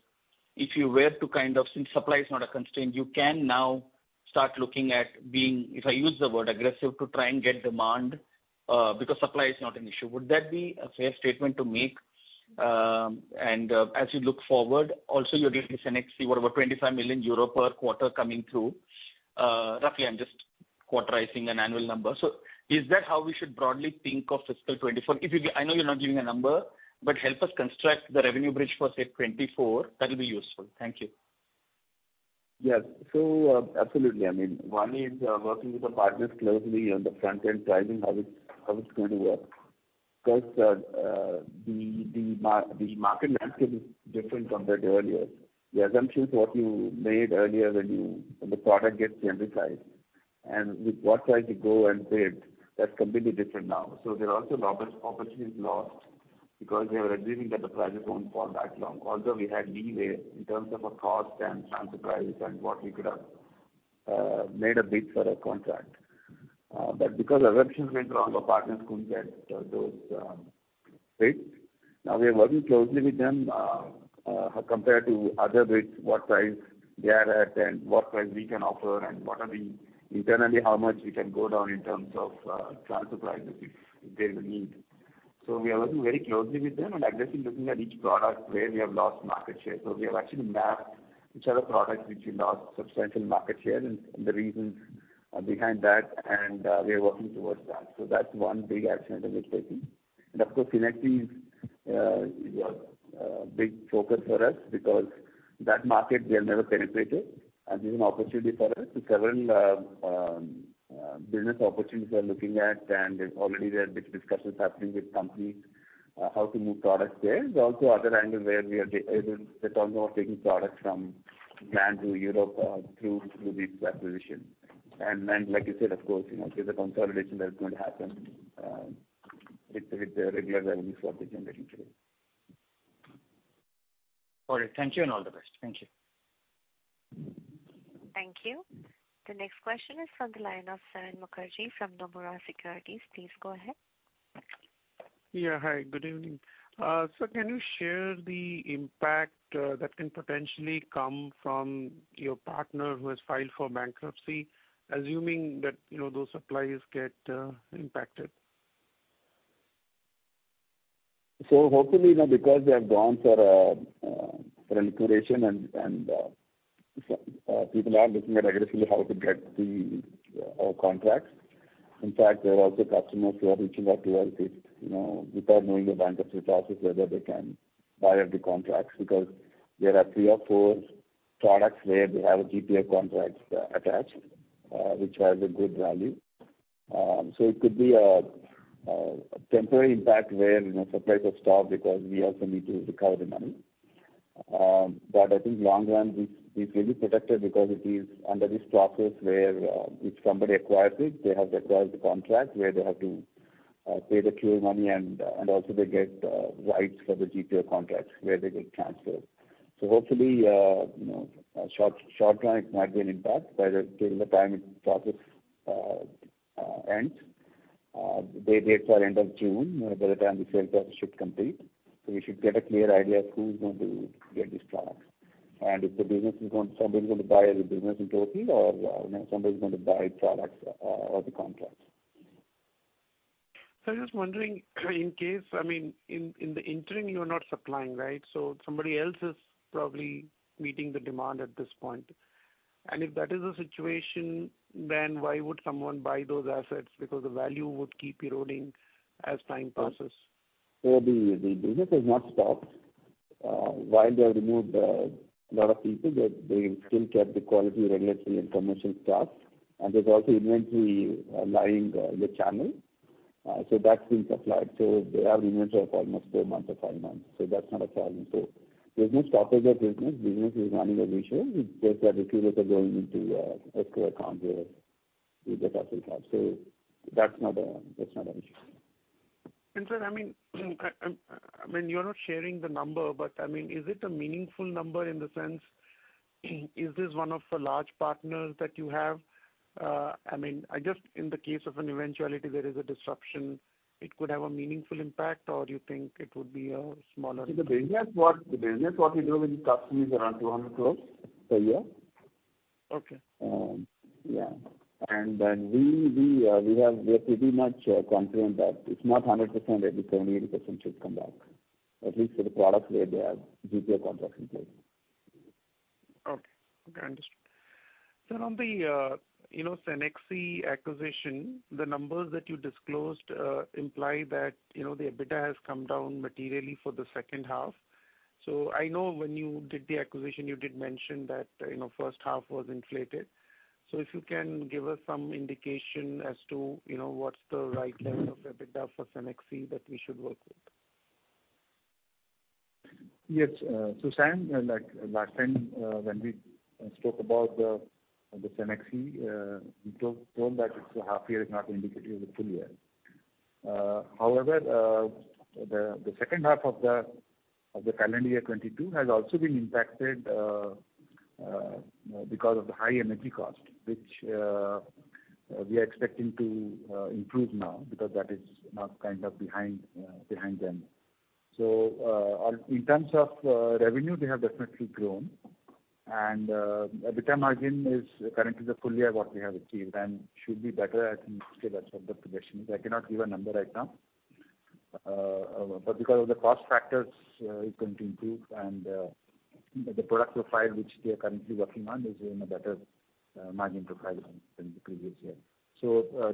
If you were to Since supply is not a constraint, you can now start looking at being, if I use the word aggressive, to try and get demand, because supply is not an issue. Would that be a fair statement to make? As you look forward, also you're getting this NX, see what about 25 million euro per quarter coming through. Roughly, I'm just quarterizing an annual number. Is that how we should broadly think of fiscal 2024? I know you're not giving a number, but help us construct the revenue bridge for, say, 2024. That'll be useful. Thank you. Yes. Absolutely. I mean, one is working with the partners closely on the front end pricing, how it's, how it's going to work. The market landscape is different compared to earlier. The assumptions what you made earlier when you, when the product gets genericized and with what price you go and bid, that's completely different now. There are also opportunities lost because we are assuming that the prices won't fall that long. Although we had leeway in terms of a cost and transfer price and what we could have made a bid for a contract. Because assumptions went wrong, the partners couldn't get those. Right. Now we are working closely with them, how compared to other bids, what price they are at and what price we can offer, and internally, how much we can go down in terms of transfer prices if there's a need. We are working very closely with them and aggressively looking at each product where we have lost market share. We have actually mapped which are the products which we lost substantial market share and the reasons behind that, and we are working towards that. That's one big action item we're taking. Of course, Cenexi, big focus for us because that market we have never penetrated, and this is an opportunity for us. Several business opportunities we are looking at, already there are big discussions happening with companies, how to move products there. There's also other angles where we are able to talk about taking products from plant to Europe, through this acquisition. Then like you said, of course, you know, there's a consolidation that's going to happen, with the regular revenues what they're generating today. All right. Thank you and all the best. Thank you. Thank you. The next question is from the line of Saion Mukherjee from Nomura Securities. Please go ahead. Yeah. Hi, good evening. Can you share the impact that can potentially come from your partner who has filed for bankruptcy, assuming that, you know, those suppliers get impacted? Hopefully now because they have gone for liquidation and people are looking at aggressively how to get our contracts. In fact, there are also customers who are reaching out to us, you know, without knowing the bankruptcy process, whether they can buy out the contracts. Because there are three or four products where they have GPA contracts attached, which has a good value. It could be a temporary impact where, you know, supplies are stopped because we also need to recover the money. I think long run this will be protected because it is under this process where if somebody acquires it, they have acquired the contract where they have to pay the clear money and also they get rights for the GPA contracts where they get transferred. Hopefully, you know, short run it might be an impact, but till the time it process ends, they date for end of June, you know, by the time the sales process should complete. We should get a clear idea of who's going to get these products. If the business is somebody's going to buy the business in total or, you know, somebody's going to buy products or the contracts. I'm just wondering, in case, I mean, in the interim, you are not supplying, right? Somebody else is probably meeting the demand at this point. If that is the situation, then why would someone buy those assets? The value would keep eroding as time passes. The business has not stopped. While they have removed a lot of people, they still kept the quality regulatory and commercial staff. There's also inventory lying in the channel that's being supplied. They have inventory of almost four months or five months, that's not a challenge. There's no stoppage of business. Business is running as usual. It's just that the accruals are going into escrow accounts where we get access to. That's not an issue. Sir, I mean, I mean, you're not sharing the number, but I mean, is it a meaningful number in the sense, is this one of the large partners that you have? I mean, I just in the case of an eventuality, there is a disruption, it could have a meaningful impact, or do you think it would be a smaller? The business what we do with the customers is around 200 crores per year. Okay. Yeah. We are pretty much confident that it's not 100%, at least 70%-80% should come back, at least for the products where they have GPA contracts in place. Okay. Okay, understood. Sir, on the, you know, Cenexi acquisition, the numbers that you disclosed, imply that, you know, the EBITDA has come down materially for the second half. I know when you did the acquisition, you did mention that, you know, first half was inflated. If you can give us some indication as to, you know, what's the right level of EBITDA for Cenexi that we should work with. Yes. Sam, like last time, when we spoke about the Cenexi, we told that it's a half year, it's not indicative of the full year. However, the second half of the calendar year 2022 has also been impacted because of the high energy cost, which we are expecting to improve now because that is now kind of behind them. In terms of revenue, they have definitely grown. EBITDA margin is currently the full year what we have achieved and should be better, I think, still that's what the projection is. I cannot give a number right now. Because of the cost factors, it's going to improve and the product profile which we are currently working on is in a better margin profile than the previous year.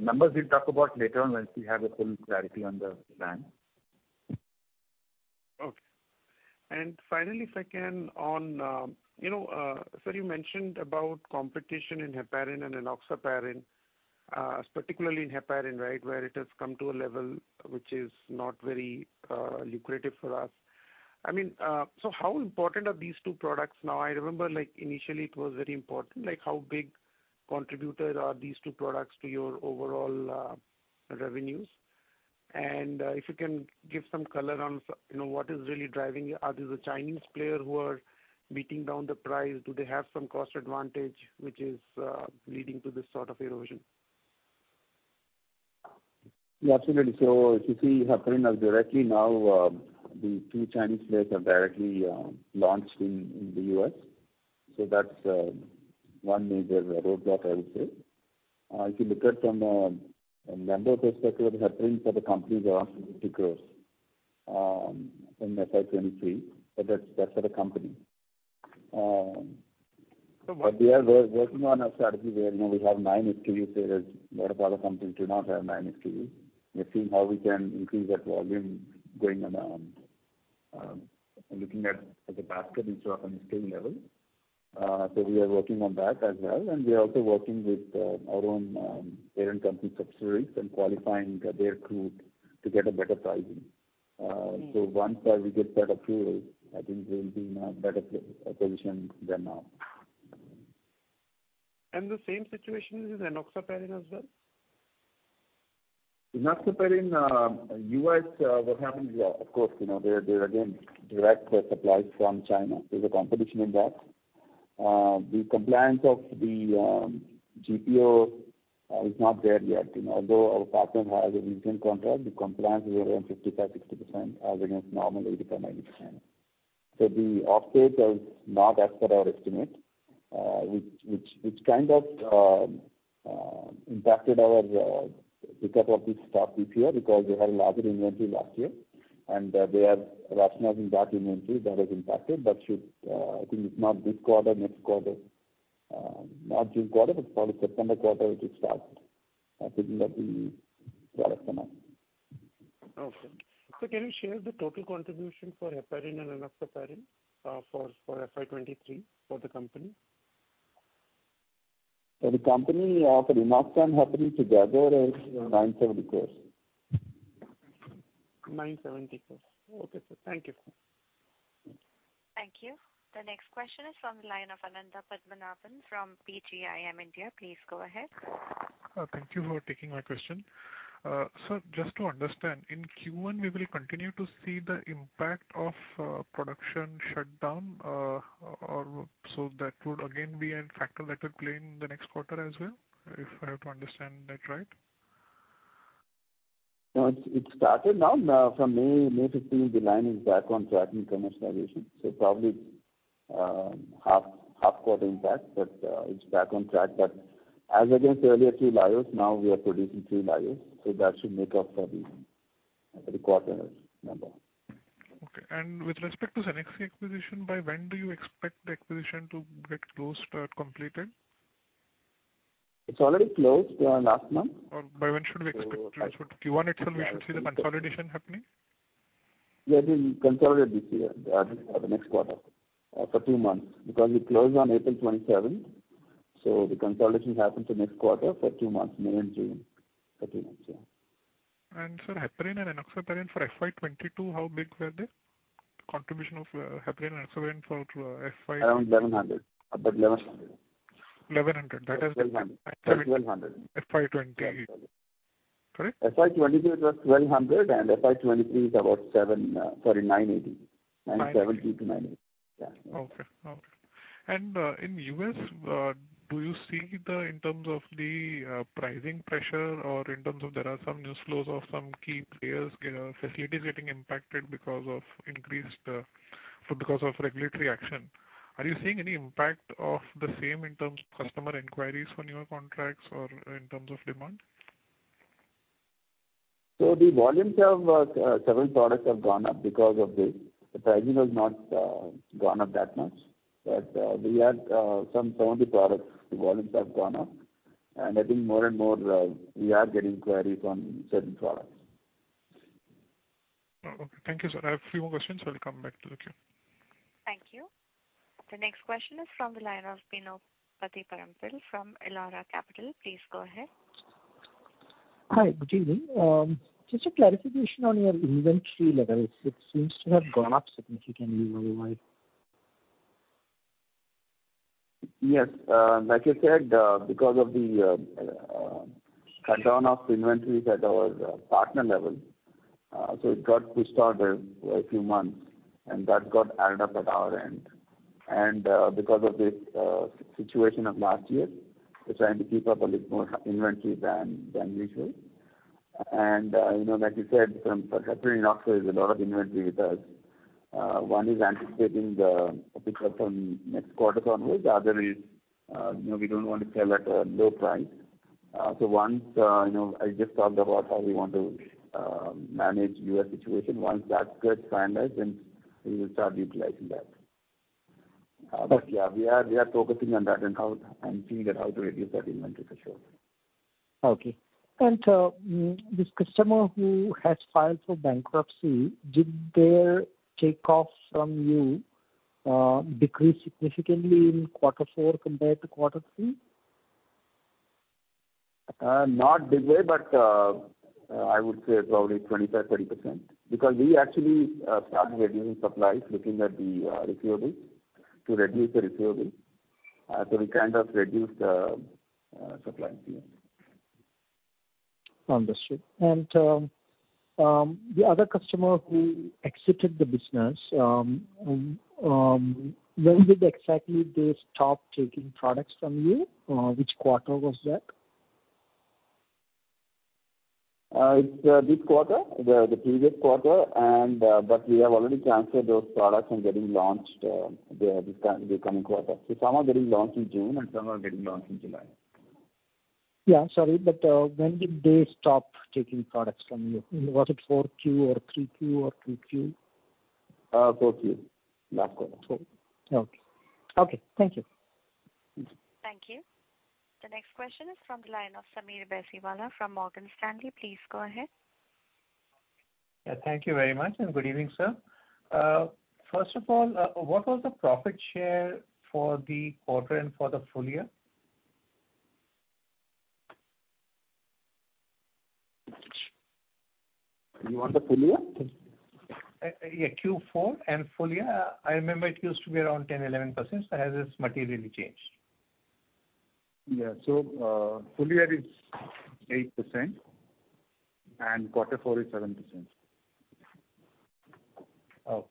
Numbers we'll talk about later on once we have a full clarity on the plan. Okay. If I can on, you know, sir, you mentioned about competition in Heparin and Enoxaparin, particularly in Heparin, right? Where it has come to a level which is not very lucrative for us. I mean, how important are these two products? Now, I remember like initially it was very important, like how big contributor are these two products to your overall revenues? If you can give some color on, you know, what is really driving it. Are these the Chinese player who are beating down the price? Do they have some cost advantage which is leading to this sort of erosion? Yeah, absolutely. If you see heparin are directly now, the two Chinese players have directly launched in the U.S. That's one major roadblock I would say. If you look at from a number of perspective, the heparin for the company is around INR 60 crores in FY 2023. That's for the company. We are working on a strategy where, you know, we have nine SKUs whereas lot of other companies do not have nine SKUs. We're seeing how we can increase that volume going around, looking at the basket instead of an SKU level. We are working on that as well. We are also working with our own parent company subsidiaries and qualifying their crew to get a better pricing. Once we get better pricing, I think we'll be in a better position than now. The same situation is in enoxaparin as well? Enoxaparin, U.S., what happens is, of course, you know, they're again direct suppliers from China. There's a competition in that. The compliance of the GPO is not there yet. You know, although our partner has a recent contract, the compliance is around 55%-60% as against normally 80%-90%. The off-take is not as per our estimate, which kind of impacted our pickup of the stock this year because we had larger inventory last year. They are rationalizing that inventory that has impacted. Should, I think if not this quarter, next quarter, not June quarter, but probably September quarter it will start. I think that we product enough. Okay. Can you share the total contribution for heparin and enoxaparin for FY 2023 for the company? For the company, for enoxaparin and heparin together is INR 970 crores. INR 970 crores. Okay, sir. Thank you. Thank you. The next question is from the line of Anandha Padmanabhan from PGIM India. Please go ahead. Thank you for taking my question. Sir, just to understand, in Q1 we will continue to see the impact of production shutdown, or so that would again be a factor that will play in the next quarter as well, if I have to understand that right? No, it's started now. Now from May 15th the line is back on track in commercialization. probably half quarter impact, but it's back on track. As I said earlier, three bios, now we are producing three bios, so that should make up for the quarter number. Okay. With respect to Cenexi acquisition, by when do you expect the acquisition to get closed or completed? It's already closed, last month. By when should we expect to close? For Q1 itself we should see the consolidation happening? Yeah, I think consolidated this year, the next quarter, for two months, because we closed on April 27th. The consolidation happens in next quarter for two months, May and June. For two months, yeah. sir, heparin and enoxaparin for FY 2022, how big were they? Contribution of heparin and enoxaparin for. Around 1,100. About 1,100. 1,100. 1,200. FY 2020. Yeah. Sorry. FY 2022 it was 1,200 and FY 2023 is about sorry, 980. 980. 7-980. Yeah. Okay. Okay. In U.S., do you see in terms of the pricing pressure or in terms of there are some news flows of some key players' facilities getting impacted because of increased regulatory action? Are you seeing any impact of the same in terms of customer inquiries on your contracts or in terms of demand? The volumes of certain products have gone up because of this. The pricing has not gone up that much. We had some 70 products, the volumes have gone up. I think more and more, we are getting inquiries on certain products. Okay. Thank you, sir. I have a few more questions. I will come back to the queue. Thank you. The next question is from the line of Bino Pathiparampil from Elara Capital. Please go ahead. Hi, good evening. Just a clarification on your inventory levels. It seems to have gone up significantly worldwide. Yes. Like I said, because of the cut down of inventories at our partner level, it got pushed out a few months and that got added up at our end. Because of this situation of last year, we're trying to keep up a little more inventory than usual. You know, like you said, from heparin, enoxaparin there's a lot of inventory with us. One is anticipating the pickup from next quarter onwards. The other is, you know, we don't want to sell at a low price. Once, you know, I just talked about how we want to manage U.S. situation. Once that gets finalized, then we will start utilizing that. Yeah, we are focusing on that and seeing that how to reduce that inventory for sure. Okay. This customer who has filed for bankruptcy, did their take off from you, decrease significantly in quarter four compared to quarter three? Not big way, I would say probably 25%-30%. We actually started reducing supplies looking at the receivables to reduce the receivables. We kind of reduced supply at the end. Understood. The other customer who exited the business, when did exactly they stop taking products from you? Which quarter was that? It's this quarter, the previous quarter and, but we have already canceled those products and getting launched, they are this the coming quarter. Some are getting launched in June, and some are getting launched in July. Yeah. Sorry. When did they stop taking products from you? Was it 4Q or 3Q or 2Q? 4Q. Last quarter. Okay. Okay. Thank you. Mm-hmm. Thank you. The next question is from the line of Sameer Baisiwala from Morgan Stanley. Please go ahead. Yeah, thank you very much, and good evening, sir. First of all, what was the profit share for the quarter and for the full year? You want the full year? Yeah, Q4 and full year. I remember it used to be around 10%, 11%. Has this materially changed? Yeah. full year is 8% and quarter four is 7%. Okay.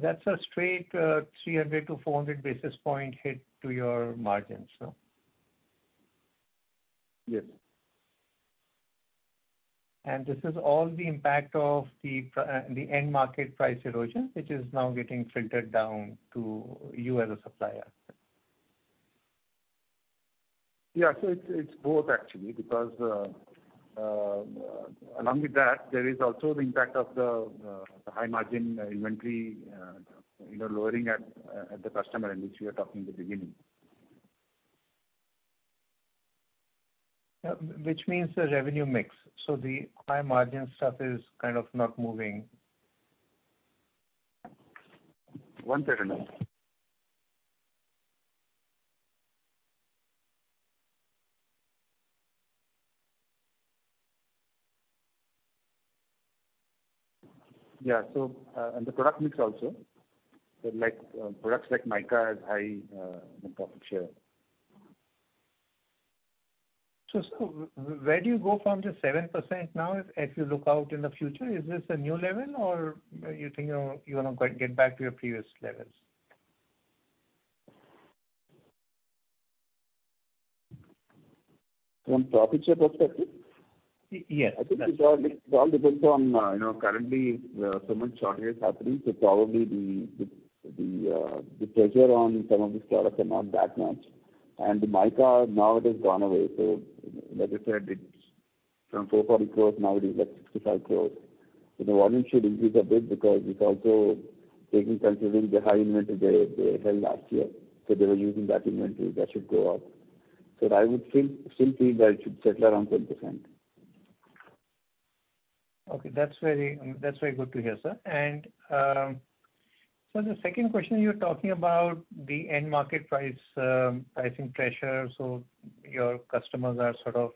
That's a straight, 300-400 basis point hit to your margins, no? Yes. This is all the impact of the end market price erosion, which is now getting filtered down to you as a supplier. Yeah. It's both actually, because, along with that, there is also the impact of the high margin inventory, you know, lowering at the customer end, which we were talking in the beginning. Yeah. Which means the revenue mix. The high margin stuff is kind of not moving. One second. Yeah. The product mix also. Like, products like mica has high profit share. Where do you go from the 7% now if you look out in the future? Is this a new level or you think, you know, you're gonna go get back to your previous levels? From profit share perspective? Yes. I think it all depends on, you know, currently, so much shortage is happening, probably the pressure on some of these products are not that much. The mica, now it has gone away. Like I said, it's from 400 crores, now it is at 65 crores. The volume should increase a bit because it's also taking considering the high inventory they held last year. They were using that inventory. That should go up. I would still feel that it should settle around 10%. Okay, that's very good to hear, sir. The second question, you're talking about the end market price, pricing pressure, so your customers are sort of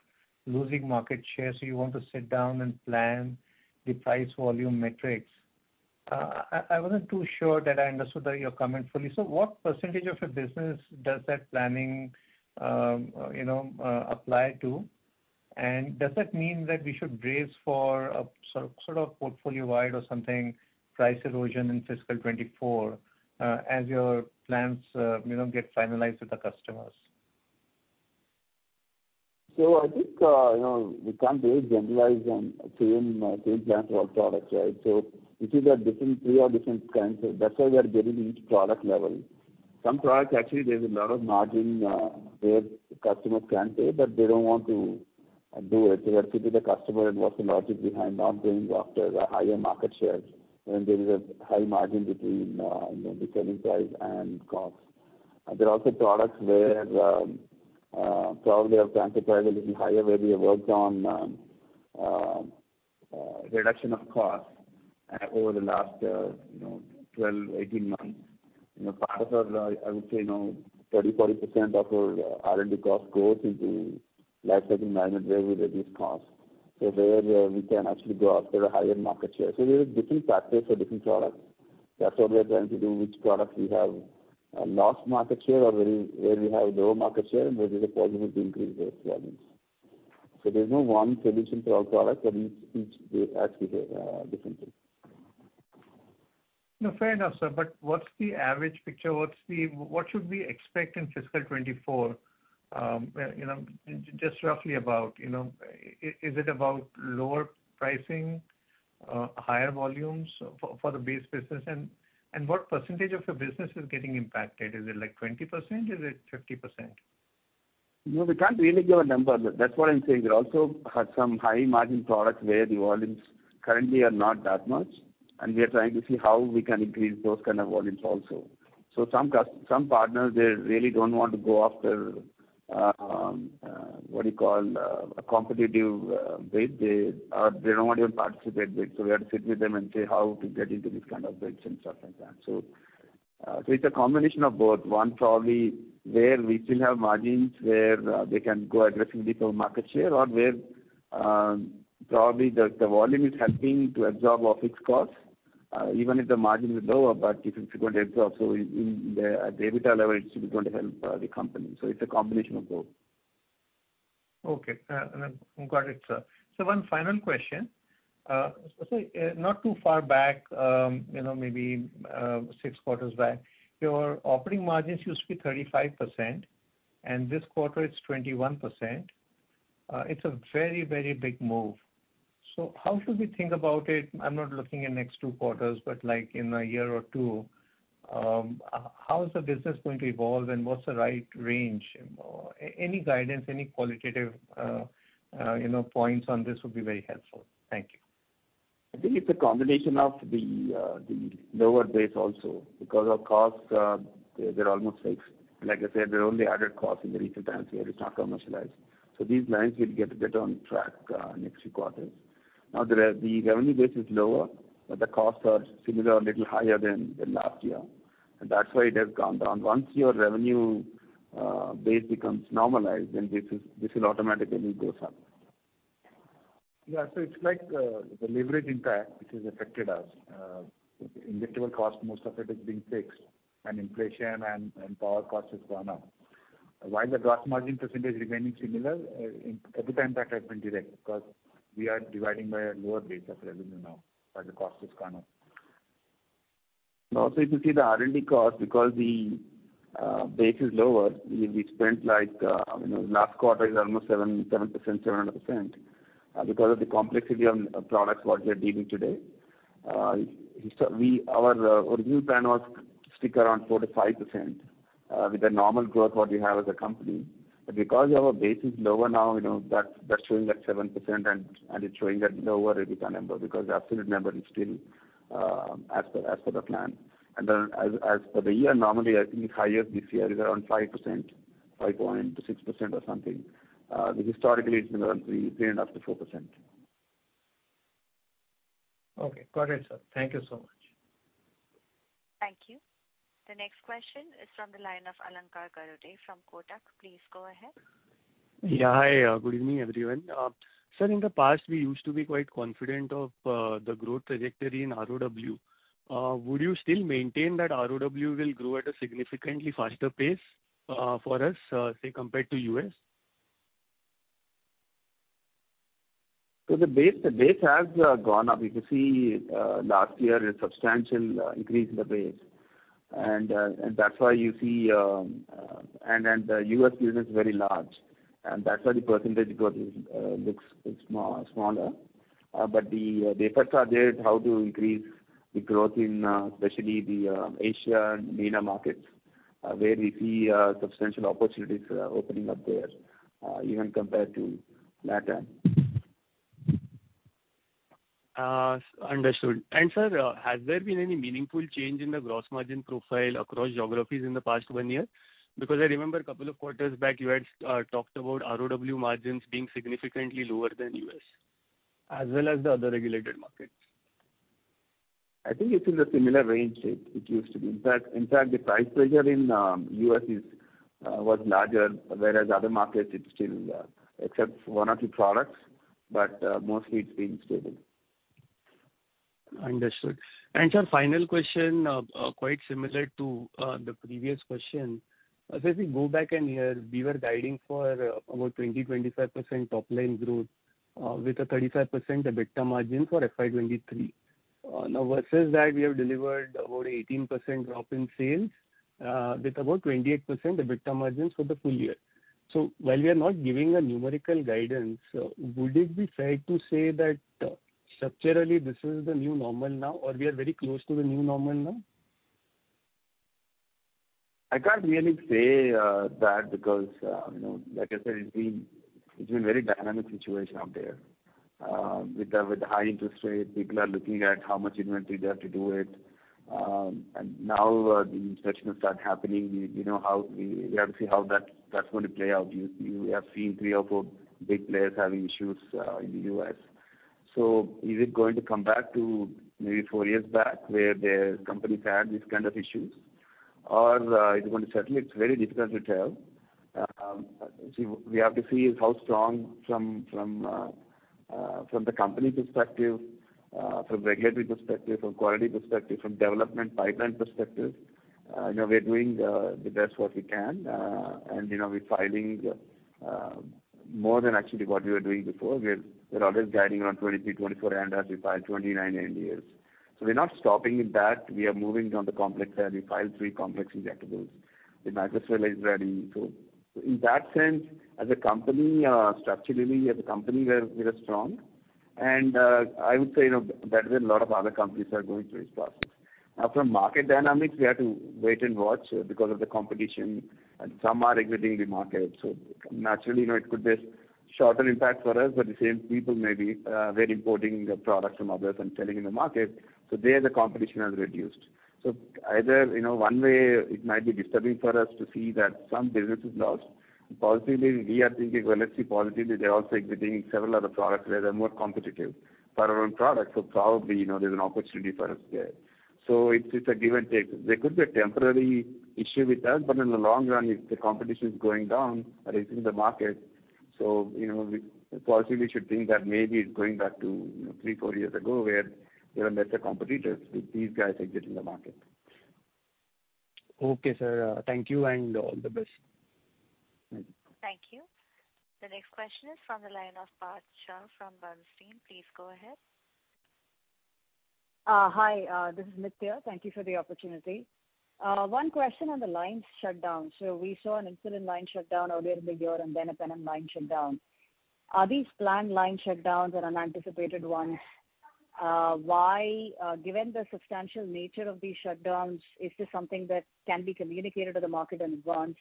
losing market share, so you want to sit down and plan the price volume metrics. I wasn't too sure that I understood your comment fully. What percentage of the business does that planning, you know, apply to? Does that mean that we should brace for a sort of portfolio-wide or something price erosion in fiscal 2024, as your plans, you know, get finalized with the customers? I think, you know, we can't very generalize on same plan for all products, right? This is a different, three are different kinds. That's why we are getting each product level. Some products actually there's a lot of margin, where customers can pay, but they don't want to do it. You have to be the customer and what's the logic behind not going after the higher market shares when there is a high margin between, you know, the selling price and costs. There are also products where, probably our transit price is little higher, where we have worked on reduction of costs over the last, you know, 12, 18 months. You know, part of our, I would say, you know, 30%, 40% of our R&D cost goes into lifecycle management where we reduce costs. Where we can actually go after a higher market share. There are different factors for different products. That's what we are trying to do, which products we have lost market share or where we have lower market share and where there's a possibility to increase those volumes. There's no one solution to all products and each they actually differently. Fair enough, sir. What's the average picture? What should we expect in fiscal 2024? You know, just roughly about, you know, is it about lower pricing, higher volumes for the base business? What percentage of your business is getting impacted? Is it like 20%? Is it 50%? No, we can't really give a number. That's what I'm saying. We also have some high margin products where the volumes currently are not that much, and we are trying to see how we can increase those kind of volumes also. Some some partners, they really don't want to go after, what do you call, a competitive bid. They don't want to participate bid. We have to sit with them and say, "How to get into this kind of bids?" and stuff like that. It's a combination of both. One, probably where we still have margins, where they can go aggressively for market share or where probably the volume is helping to absorb our fixed costs. Even if the margin is lower, but if it's frequent. Okay. And I've got it, sir. One final question. Not too far back, maybe, six quarters back, your operating margins used to be 35%, and this quarter it's 21%. It's a very, very big move. How should we think about it? I'm not looking at next two quarters, but like in a year or two, how is the business going to evolve and what's the right range? Or any guidance, any qualitative points on this would be very helpful. Thank you. I think it's a combination of the lower base also because of costs, they're almost fixed. Like I said, they're only added costs in the recent times where it's not commercialized. These lines will get a bit on track next few quarters. The revenue base is lower, but the costs are similar or little higher than last year. That's why it has gone down. Once your revenue base becomes normalized, this is, this will automatically go up. Yeah. It's like the leverage impact which has affected us. Injectable cost, most of it is being fixed and inflation and power costs has gone up. While the gross margin percentage remaining similar, impact has been direct because we are dividing by a lower base of revenue now, the cost has gone up. Also, if you see the R&D cost because the base is lower, we spent like, you know, last quarter is almost 7% because of the complexity of products what we are dealing today. So our original plan was stick around 4%-5% with the normal growth what we have as a company. Because our base is lower now, you know, that's showing at 7% and it's showing at lower EBITDA number because the absolute number is still as per the plan. As per the year, normally I think it's higher this year is around 5%-6% or something. But historically it's been around the range of the 4%. Okay. Got it, sir. Thank you so much. Thank you. The next question is from the line of Alankar Garude from Kotak. Please go ahead. Yeah. Hi. Good evening, everyone. Sir, in the past, we used to be quite confident of the growth trajectory in ROW. Would you still maintain that ROW will grow at a significantly faster pace for us, say compared to U.S.? The base has gone up. You can see last year a substantial increase in the base. That's why you see the U.S. business is very large, and that's why the percentage growth looks small, smaller. The efforts are there how to increase the growth in especially the Asia and MENA markets, where we see substantial opportunities opening up there, even compared to LATAM. Understood. Sir, has there been any meaningful change in the gross margin profile across geographies in the past one year? Because I remember a couple of quarters back, you had talked about ROW margins being significantly lower than U.S., as well as the other regulated markets. I think it's in the similar range like it used to be. In fact, the price pressure in U.S. was larger, whereas other markets it's still, except one or two products, but mostly it's been stable. Understood. Sir, final question, quite similar to the previous question. If we go back in here, we were guiding for about 20%-25% top line growth with a 35% EBITDA margin for FY 2023. Now vs that we have delivered about 18% drop in sales with about 28% EBITDA margins for the full year. While we are not giving a numerical guidance, would it be fair to say that structurally this is the new normal now, or we are very close to the new normal now? I can't really say that because, you know, like I said, it's been, it's been very dynamic situation out there. With the, with the high interest rates, people are looking at how much inventory they have to do it. Now the inspections start happening. We have to see how that's going to play out. You, you have seen three or four big players having issues in the U.S. Is it going to come back to maybe four years back where the companies had these kind of issues? Is it going to settle? It's very difficult to tell. We have to see how strong from the company perspective, from regulatory perspective, from quality perspective, from development pipeline perspective. You know, we're doing the best what we can. You know, we're filing more than actually what we were doing before. We're always guiding around 23, 24 ANDAs. We filed 29 ANDAs. We're not stopping with that. We are moving on the complex area. We filed three complex injectables. The microneedle is ready. In that sense, as a company, structurally as a company, we are strong. I would say, you know, better than a lot of other companies are going through this process. Now from market dynamics, we have to wait and watch because of the competition and some are exiting the market. Naturally, you know, it could be a shorter impact for us, but the same people may be very importing the products from others and selling in the market. There the competition has reduced. Either, you know, one way it might be disturbing for us to see that some business is lost. Positively, we are thinking, well, let's see positively. They're also exiting several other products where they're more competitive for our own product. Probably, you know, there's an opportunity for us there. It's, it's a give and take. There could be a temporary issue with that, but in the long run, if the competition is going down, raising the market, so, you know, possibly we should think that maybe it's going back to, you know, three, four years ago where there were better competitors if these guys exit in the market. Okay, sir. Thank you and all the best. Thank you. Thank you. The next question is from the line of Parsha from Bernstein. Please go ahead. Hi. This is Nithya. Thank you for the opportunity. One question on the lines shut down. We saw an incident line shut down earlier in the year and then a Penems line shut down. Are these planned line shutdowns or unanticipated ones? Why, given the substantial nature of these shutdowns, is this something that can be communicated to the market in advance?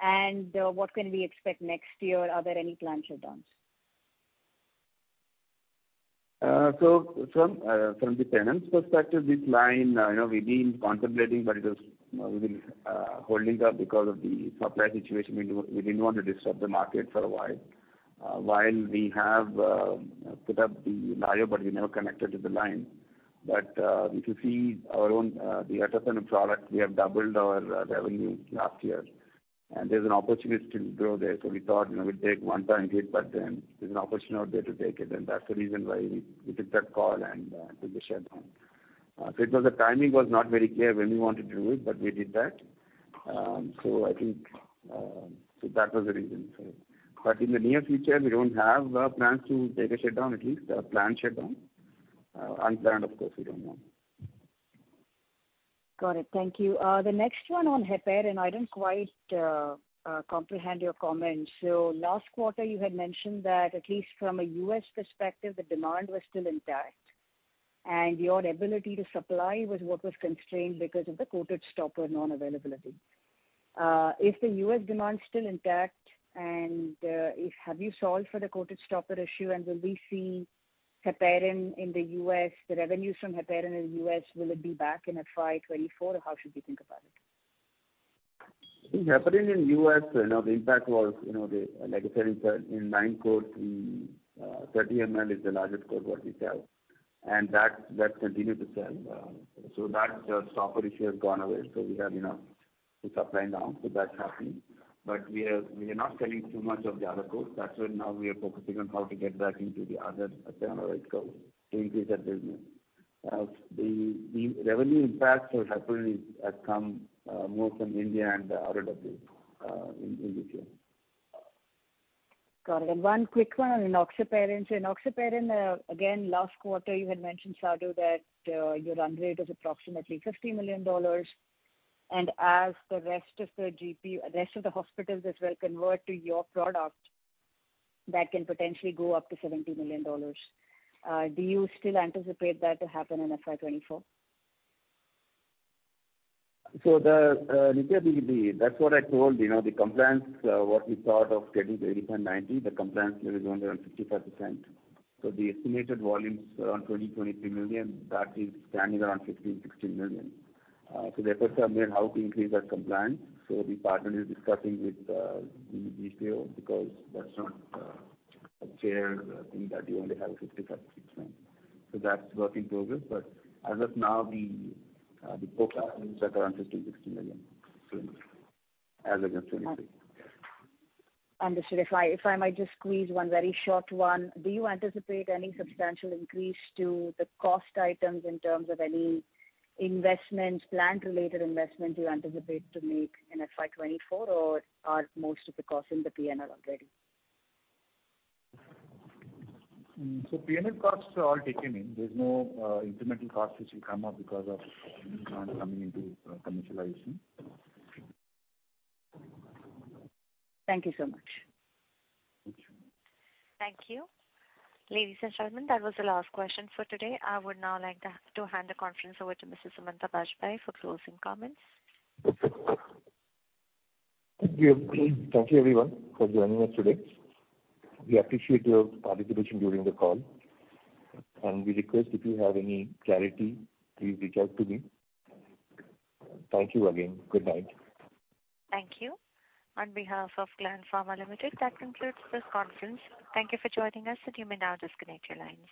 What can we expect next year? Are there any planned shutdowns? From, from the Penems perspective, this line, you know, we've been contemplating, but we've been holding up because of the supply situation. We didn't want to disturb the market for a while. While we have, put up the value, but we never connected to the line. If you see our own, the other Penems product, we have doubled our revenue last year. There's an opportunity to grow there. We thought, you know, we'll take one time hit, but then there's an opportunity out there to take it. That's the reason why we took that call and, took the shutdown. It was the timing was not very clear when we wanted to do it, but we did that. I think, so that was the reason for it. In the near future, we don't have plans to take a shutdown, at least a planned shutdown. Unplanned, of course, we don't know. Got it. Thank you. The next one on heparin, I don't quite comprehend your comments. Last quarter, you had mentioned that at least from a U.S. perspective, the demand was still intact. Your ability to supply was what was constrained because of the coated stopper non-availability. Is the U.S. demand still intact? Have you solved for the coated stopper issue? Will we see heparin in the U.S., the revenues from heparin in the U.S., will it be back in FY 2024? How should we think about it? I think heparin in U.S., you know, the impact was, you know, like I said, in line code, the 30 ml is the largest code what we sell. That continued to sell. That stopper issue has gone away. We have enough to supply now. That's happening. We are not selling too much of the other codes. That's why now we are focusing on how to get back into the other alternative codes to increase that business. The revenue impact for heparin is, has come more from India and the ROW, in the U.S. Got it. One quick one on enoxaparin. Enoxaparin, again, last quarter you had mentioned, Sadhu, that your run rate is approximately $50 million. As the rest of the hospitals as well convert to your product, that can potentially go up to $70 million. Do you still anticipate that to happen in FY 2024? The Nitya, that's what I told, you know, the compliance, what we thought of getting to 80.90, the compliance rate is only around 55%. The estimated volumes around $20 million, $23 million, that is standing around $15 million, $16 million. The efforts are made how to increase that compliance. The partner is discussing with the detail because that's not a fair thing that you only have a $55 million, $6 million. That's work in progress. As of now, the forecast is at around $15 million, $16 million cylinders as of 2023. Understood. If I might just squeeze one very short one. Do you anticipate any substantial increase to the cost items in terms of any investments, plant-related investments you anticipate to make in FY 2024? Are most of the costs in the P&L already? P&L costs are all taken in. There's no incremental cost which will come up because of plant coming into commercialization. Thank you so much. Thank you. Thank you. Ladies and gentlemen, that was the last question for today. I would now like to hand the conference over to Mrs. Sumanta Bajpayee for closing comments. Thank you. Thank you everyone for joining us today. We appreciate your participation during the call. We request if you have any clarity, please reach out to me. Thank you again. Good night. Thank you. On behalf of Gland Pharma Limited, that concludes this conference. Thank you for joining us, and you may now disconnect your lines.